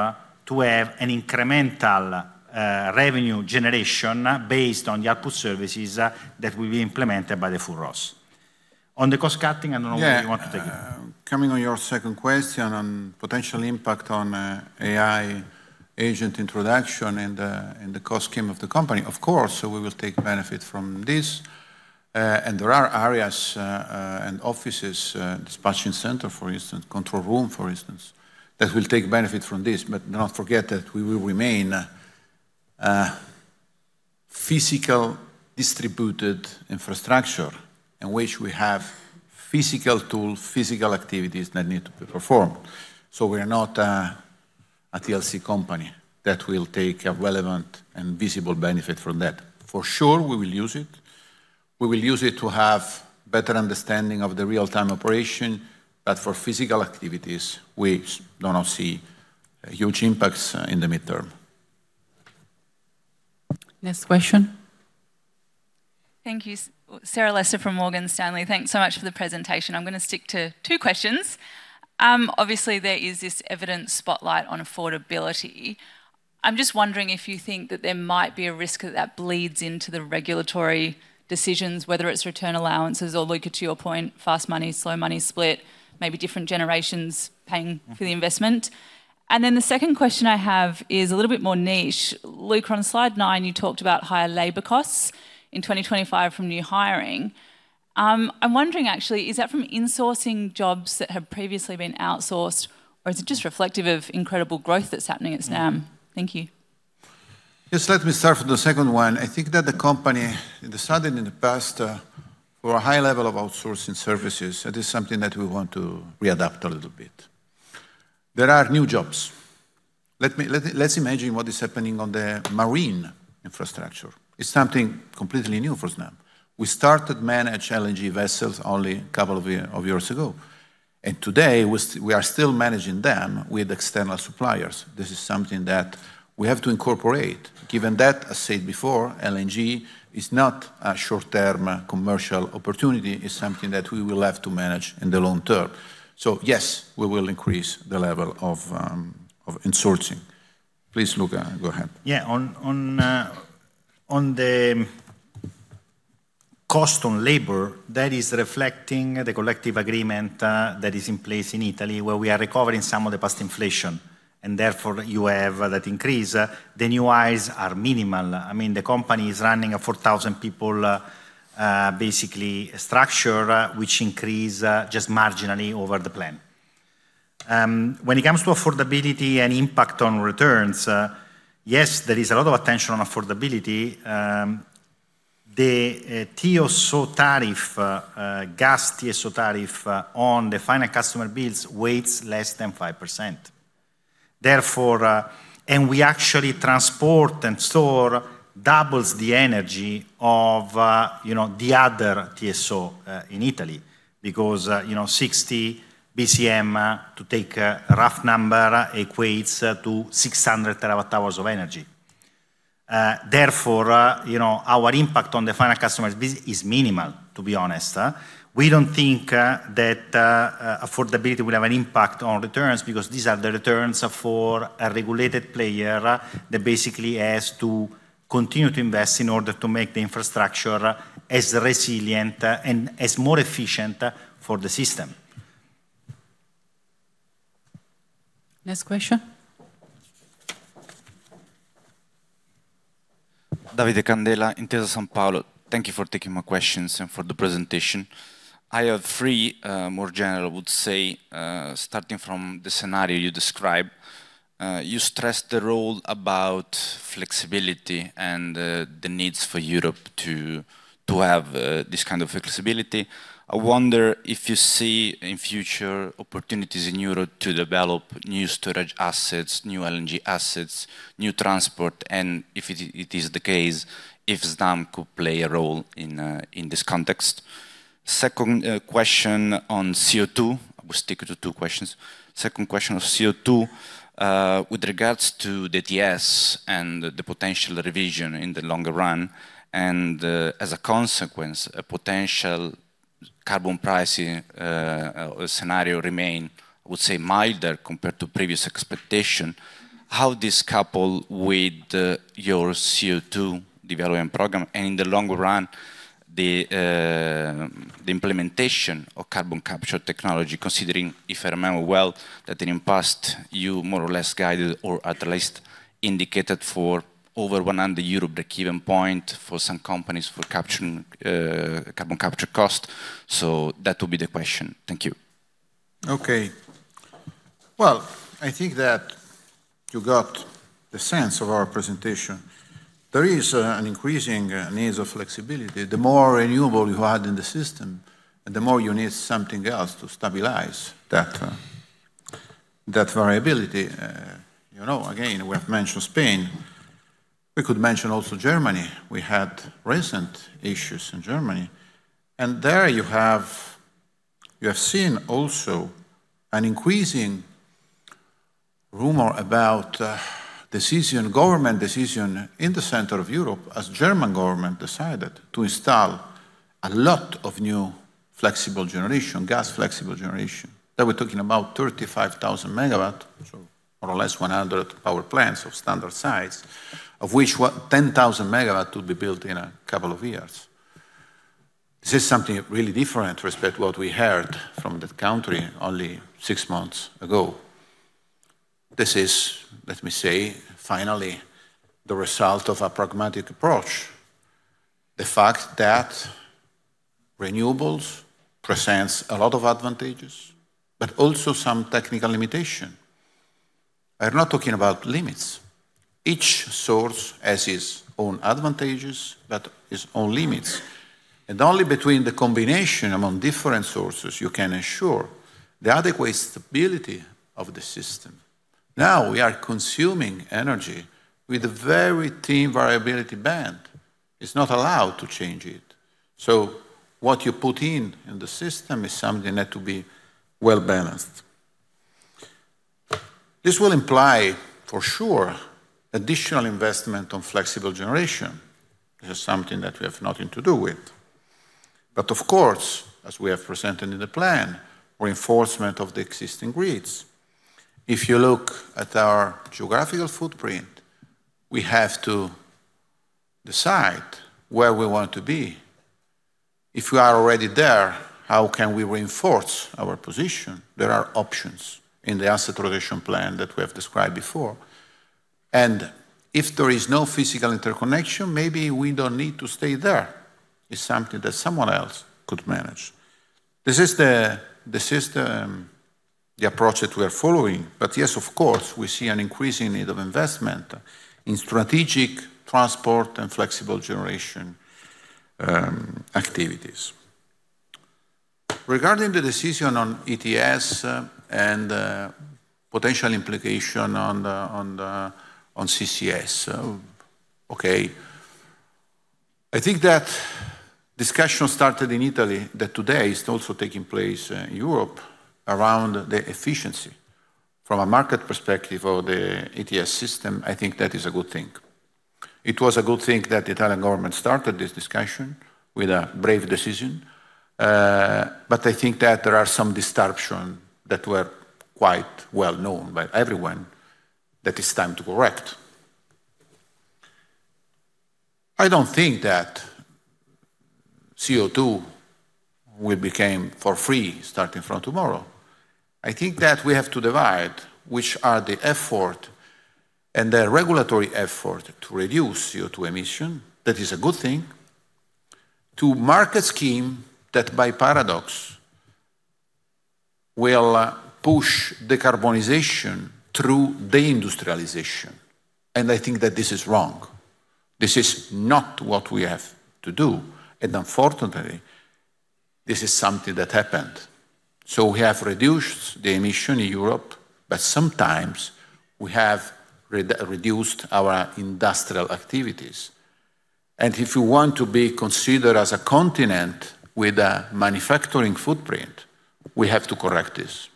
to have an incremental, revenue generation based on the output services that will be implemented by the full ROSS. On the cost cutting, I don't know whether you want to take it. Coming on your second question on potential impact on AI agent introduction and the cost scheme of the company, of course, we will take benefit from this. There are areas, and offices, dispatching center, for instance, control room, for instance, that will take benefit from this. Do not forget that we will remain a physical distributed infrastructure in which we have physical tools, physical activities that need to be performed. We are not a TLC company that will take a relevant and visible benefit from that. For sure, we will use it. We will use it to have better understanding of the real-time operation, but for physical activities, we do not see huge impacts in the midterm. Next question. Thank you. Sarah Lester from Morgan Stanley. Thanks so much for the presentation. I'm gonna stick to two questions. Obviously, there is this evident spotlight on affordability. I'm just wondering if you think that there might be a risk that that bleeds into the regulatory decisions, whether it's return allowances or, Luca, to your point, fast money, slow money split, maybe different generations paying for the investment. The second question I have is a little bit more niche. Luca, on Slide 9, you talked about higher labor costs in 2025 from new hiring. I'm wondering actually, is that from insourcing jobs that have previously been outsourced, or is it just reflective of incredible growth that's happening at Snam? Thank you. Yes. Let me start from the second one. I think that the company decided in the past for a high level of outsourcing services. That is something that we want to readapt a little bit. There are new jobs. Let's imagine what is happening on the marine infrastructure. It's something completely new for Snam. We started manage LNG vessels only couple of years ago, and today we are still managing them with external suppliers. This is something that we have to incorporate. Given that, as said before, LNG is not a short-term commercial opportunity, it's something that we will have to manage in the long term. Yes, we will increase the level of insourcing. Please, Luca, go ahead. Yeah. On the cost on labor, that is reflecting the collective agreement that is in place in Italy, where we are recovering some of the past inflation, and therefore you have that increase. The new hires are minimal. I mean, the company is running a 4,000 people, basically structure, which increase just marginally over the plan. When it comes to affordability and impact on returns, yes, there is a lot of attention on affordability. The TSO tariff, gas TSO tariff, on the final customer bills weighs less than 5%. Therefore. We actually transport and store doubles the energy of, you know, the other TSO in Italy because, you know, 60 bcm, to take a rough number, equates to 600 TWh of energy. Therefore, you know, our impact on the final customer's is minimal, to be honest. We don't think that affordability will have an impact on returns because these are the returns for a regulated player that basically has to continue to invest in order to make the infrastructure as resilient and as more efficient for the system. Next question. [Eric] from Sanpaolo. Thank you for taking my questions and for the presentation. I have three more general, I would say, starting from the scenario you describe. You stressed the role about flexibility and the needs for Europe to have this kind of flexibility. I wonder if you see in future opportunities in Europe to develop new storage assets, new LNG assets, new transport, and if it is the case, if Snam could play a role in this context. Second question on CO2. We'll stick to two questions. Second question of CO2, with regards to the ETS and the potential revision in the longer run, as a consequence, a potential carbon pricing scenario remain, I would say, milder compared to previous expectation. How this couple with your CO2 development program? In the longer run, the implementation of carbon capture technology, considering, if I remember well, that in past you more or less guided or at least indicated for over 100 euro break-even point for some companies for capturing carbon capture cost. That would be the question. Thank you. Okay. Well, I think that you got the sense of our presentation. There is an increasing needs of flexibility. The more renewable you have in the system, the more you need something else to stabilize that variability. You know, again, we have mentioned Spain. We could mention also Germany. We had recent issues in Germany. There you have, you have seen also an increasing rumor about decision, government decision in the center of Europe as German government decided to install a lot of new flexible generation, gas flexible generation. They were talking about 35,000 MW, so more or less 100 power plants of standard size, of which 10,000 MW will be built in a couple of years. This is something really different respect what we heard from that country only six months ago. This is, let me say, finally, the result of a pragmatic approach. The fact that renewables present a lot of advantages, but also some technical limitations. I'm not talking about limits. Each source has its own advantages, but its own limits. Only between the combination among different sources you can ensure the adequate stability of the system. Now, we are consuming energy with a very thin variability band. It's not allowed to change it. What you put in the system is something that to be well-balanced. This will imply, for sure, additional investment on flexible generation. This is something that we have nothing to do with. Of course, as we have presented in the plan, reinforcement of the existing grids. If you look at our geographical footprint, we have to decide where we want to be. If we are already there, how can we reinforce our position? There are options in the asset rotation plan that we have described before. If there is no physical interconnection, maybe we don't need to stay there. It's something that someone else could manage. This is the approach that we are following. Yes, of course, we see an increasing need of investment in strategic transport and flexible generation activities. Regarding the decision on ETS and potential implication on the CCS. Okay. I think that discussion started in Italy that today is also taking place in Europe around the efficiency from a market perspective of the ETS system, I think that is a good thing. It was a good thing that the Italian government started this discussion with a brave decision. I think that there are some disruption that were quite well-known by everyone that is time to correct. I don't think that CO2 will became for free starting from tomorrow. I think that we have to divide which are the effort and the regulatory effort to reduce CO2 emission, that is a good thing, to market scheme that by paradox. We are push decarbonization through deindustrialization. I think that this is wrong. This is not what we have to do. Unfortunately, this is something that happened. We have reduced the emission in Europe, but sometimes we have reduced our industrial activities. If we want to be considered as a continent with a manufacturing footprint, we have to correct this.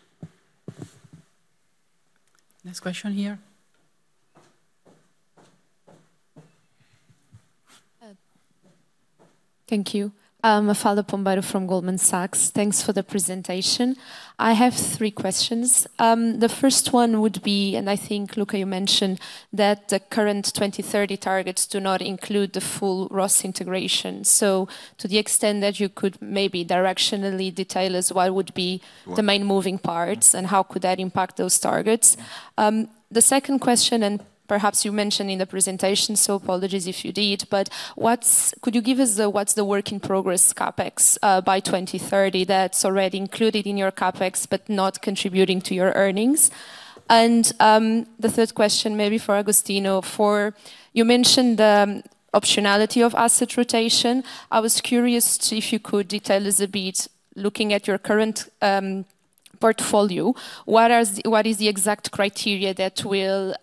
Next question here. Thank you. Mafalda Pombeiro from Goldman Sachs. Thanks for the presentation. I have three questions. The first one would be, and I think, Luca, you mentioned that the current 2030 targets do not include the full ROSS integration. To the extent that you could maybe directionally detail. Why would be the main moving parts, and how could that impact those targets? The second question, perhaps you mentioned in the presentation, so apologies if you did, but what's the work in progress CapEx by 2030 that's already included in your CapEx but not contributing to your earnings? The third question maybe for Agostino. You mentioned the optionality of asset rotation. I was curious to if you could detail us a bit, looking at your current portfolio, what is the exact criteria that will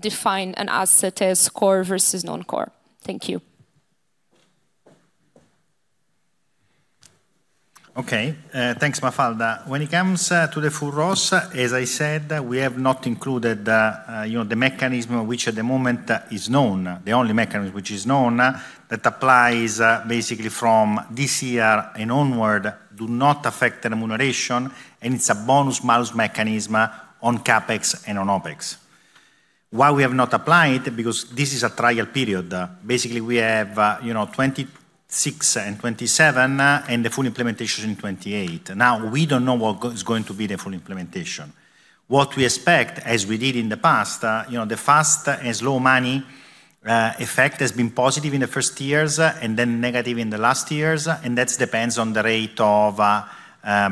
define an asset as core versus non-core? Thank you. Okay. Thanks, Mafalda. When it comes to the full ROSS, as I said, we have not included, you know, the mechanism which at the moment is known, the only mechanism which is known that applies basically from this year and onward, do not affect the remuneration, and it's a bonus malus mechanism on CapEx and on OpEx. Why we have not applied? Because this is a trial period. Basically, we have, you know, 2026 and 2027, and the full implementation in 2028. Now, we don't know what is going to be the full implementation. What we expect, as we did in the past, you know, the fast and slow money effect has been positive in the first years and then negative in the last years, and that depends on the rate of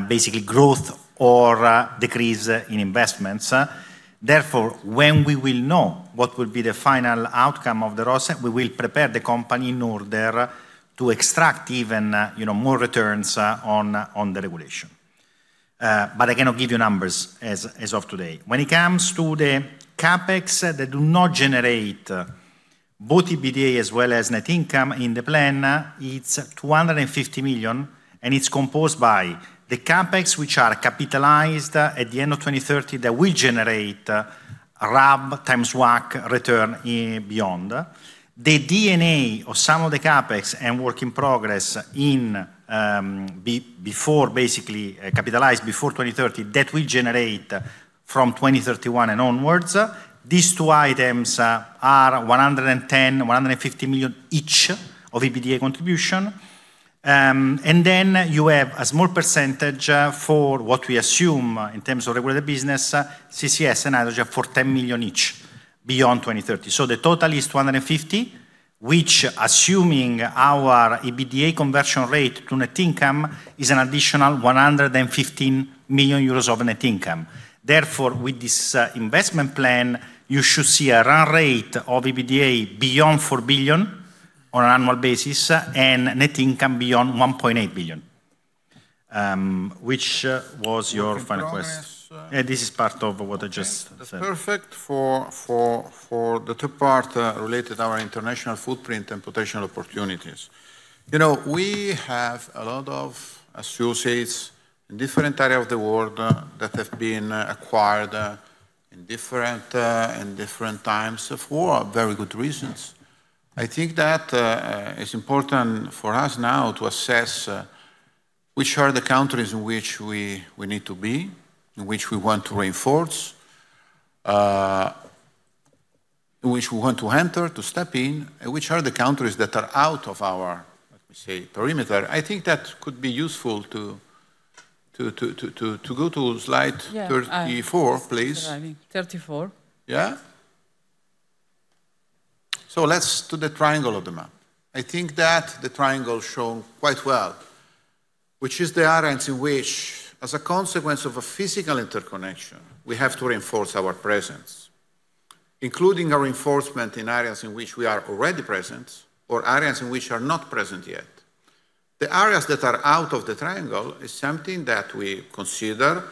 basically growth or decrease in investments. When we will know what will be the final outcome of the ROSS, we will prepare the company in order to extract even, you know, more returns on the regulation. I cannot give you numbers as of today. When it comes to the CapEx that do not generate both EBITDA as well as net income in the plan, it's 250 million, and it's composed by the CapEx which are capitalized at the end of 2030 that will generate RAB times WACC return beyond. The D&A of some of the CapEx and work in progress in before basically capitalized before 2030 that will generate from 2031 and onwards. These two items are 110 million, 150 million each of EBITDA contribution. You have a small percentage, for what we assume in terms of regular business, CCS and hydrogen for 10 million each beyond 2030. The total is 250 million, which assuming our EBITDA conversion rate to net income is an additional 115 million euros of net income. With this investment plan, you should see a run rate of EBITDA beyond 4 billion on an annual basis and net income beyond 1.8 billion. Which was your final question? You can go on this. Yeah, this is part of what I just said. Okay. Perfect for the two part related our international footprint and potential opportunities. You know, we have a lot of associates in different area of the world that have been acquired in different times for very good reasons. I think that it's important for us now to assess which are the countries in which we need to be, in which we want to reinforce, which we want to enter, to step in, and which are the countries that are out of our, let me say, perimeter. I think that could be useful to go to Slide 34, please. Yeah. 34. Let's do the triangle of the map. I think that the triangle show quite well, which is the areas in which, as a consequence of a physical interconnection, we have to reinforce our presence, including a reinforcement in areas in which we are already present or areas in which are not present yet. The areas that are out of the triangle is something that we consider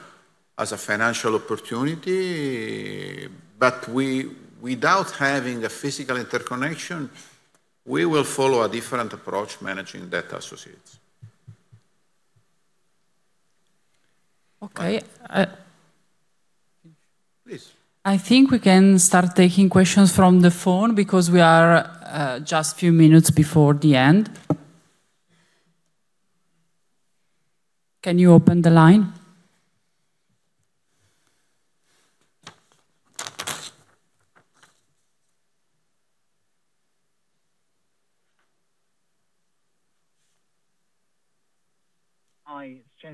as a financial opportunity, but without having a physical interconnection, we will follow a different approach managing that associates. Okay. Please. I think we can start taking questions from the phone because we are just few minutes before the end. Can you open the line?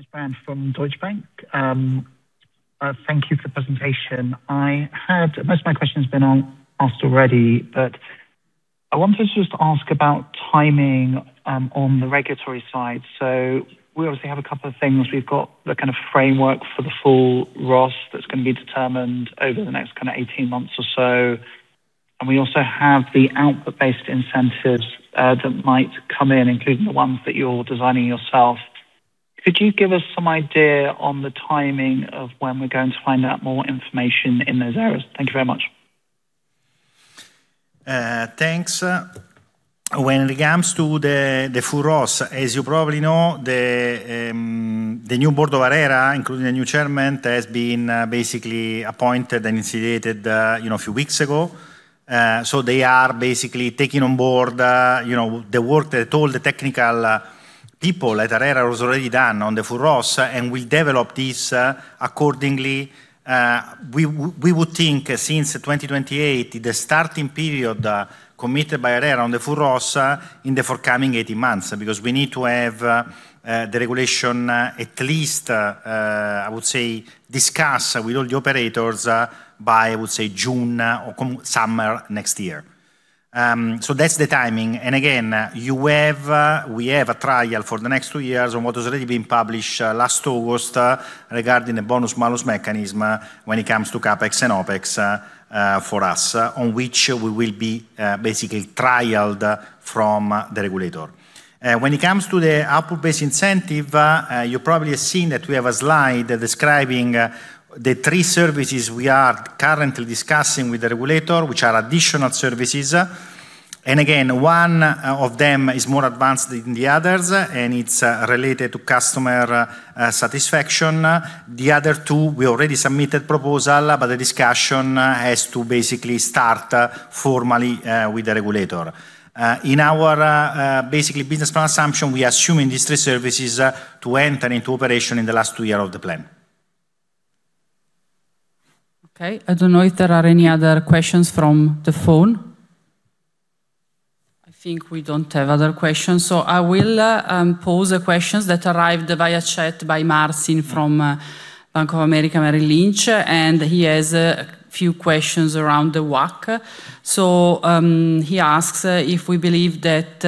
Hi. It's James Brand from Deutsche Bank. Thank you for the presentation. I had most of my questions been asked already, but I wanted to just ask about timing on the regulatory side. We obviously have a couple of things. We've got the kind of framework for the full ROSS that's going to be determined over the next kind of 18 months or so. We also have the output-based incentives that might come in, including the ones that you're designing yourself. Could you give us some idea on the timing of when we're going to find out more information in those areas? Thank you very much. Thanks. When it comes to the full ROSS, as you probably know, the new board of ARERA, including the new chairman, has been basically appointed and instigated, you know, a few weeks ago. They are basically taking on board, you know, the work that all the technical people at ARERA has already done on the full ROSS, and we develop this accordingly. We would think since 2028, the starting period, committed by ARERA on the full ROSS, in the forthcoming 18 months, because we need to have the regulation at least, I would say, discuss with all the operators, by, I would say, June or summer next year. That's the timing. Again, we have a trial for the next two years on what has already been published last August regarding the bonus malus mechanism when it comes to CapEx and OpEx for us, on which we will be basically trialed from the regulator. When it comes to the output-based incentive, you probably have seen that we have a slide describing the three services we are currently discussing with the regulator, which are additional services. Again, one of them is more advanced than the others, and it's related to customer satisfaction. The other two, we already submitted proposal, but the discussion has to basically start formally with the regulator. In our, basically business plan assumption, we are assuming these three services, to enter into operation in the last two year of the plan. I don't know if there are any other questions from the phone. I think we don't have other questions, so I will pose the questions that arrived via chat by Marcin from Bank of America Merrill Lynch, and he has a few questions around the WACC. He asks if we believe that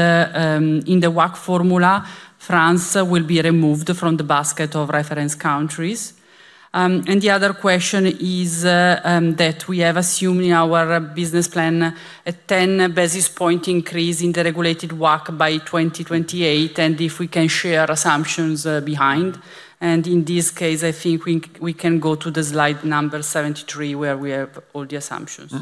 in the WACC formula, France will be removed from the basket of reference countries. The other question is that we have assumed in our business plan a 10 basis point increase in the regulated WACC by 2028, and if we can share assumptions behind. In this case, I think we can go to the Slide Number 73, where we have all the assumptions.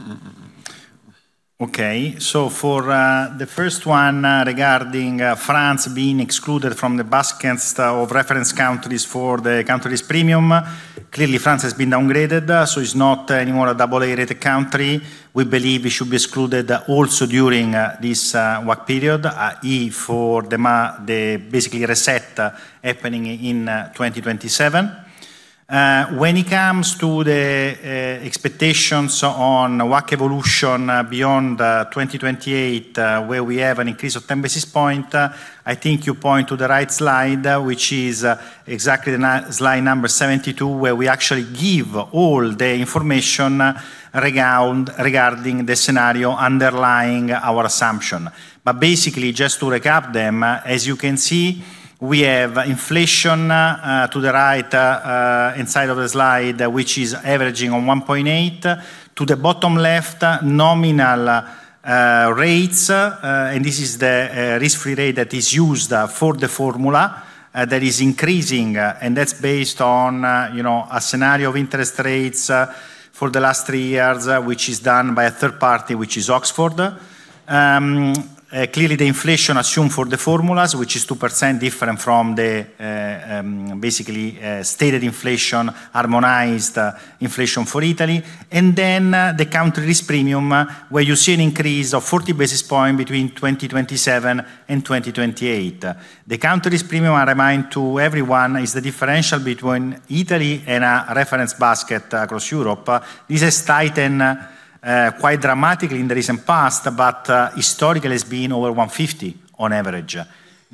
Okay. For the first one, regarding France being excluded from the baskets of reference countries for the country's premium, clearly France has been downgraded, so it's not anymore a double A-rated country. We believe it should be excluded also during this WACC period, if for the basically reset happening in 2027. When it comes to the expectations on WACC evolution, beyond 2028, where we have an increase of 10 basis points, I think you point to the right slide, which is exactly the Slide Number 72, where we actually give all the information regarding the scenario underlying our assumption. Basically, just to recap them, as you can see, we have inflation to the right inside of the slide, which is averaging on 1.8%. To the bottom left, nominal rates. This is the risk-free rate that is used for the formula that is increasing, and that's based on, you know, a scenario of interest rates for the last three years, which is done by a third party, which is Oxford. Clearly the inflation assumed for the formulas, which is 2% different from the basically stated inflation, harmonized inflation for Italy. The country risk premium, where you see an increase of 40 basis points between 2027 and 2028. The country risk premium, I remind to everyone, is the differential between Italy and a reference basket across Europe. This has tightened quite dramatically in the recent past, but historically it's been over 150 on average.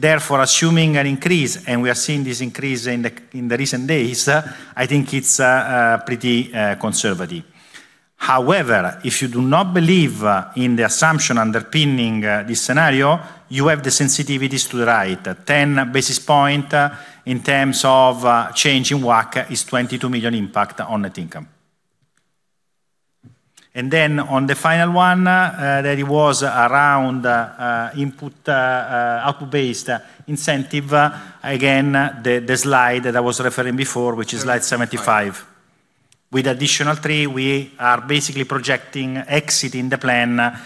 Assuming an increase, and we are seeing this increase in the, in the recent days, I think it's pretty conservative. If you do not believe in the assumption underpinning this scenario, you have the sensitivities to the right. 10 basis point in terms of change in WACC is 22 million impact on net income. On the final one, that it was around input, output-based incentive, again, the slide that I was referring before, which is Slide 75. With additional three, we are basically projecting exiting the plan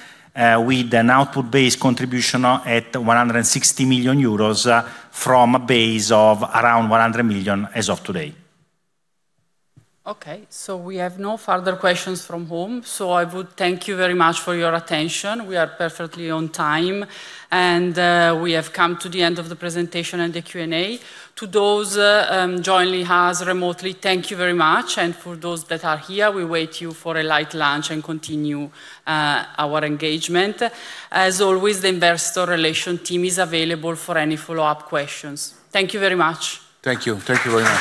with an output-based contribution at 160 million euros from a base of around 100 million as of today. Okay. We have no further questions from home. I would thank you very much for your attention. We are perfectly on time, and we have come to the end of the presentation and the Q&A. To those joining us remotely, thank you very much. For those that are here, we wait you for a light lunch and continue our engagement. As always, the Investor Relation team is available for any follow-up questions. Thank you very much. Thank you. Thank you very much.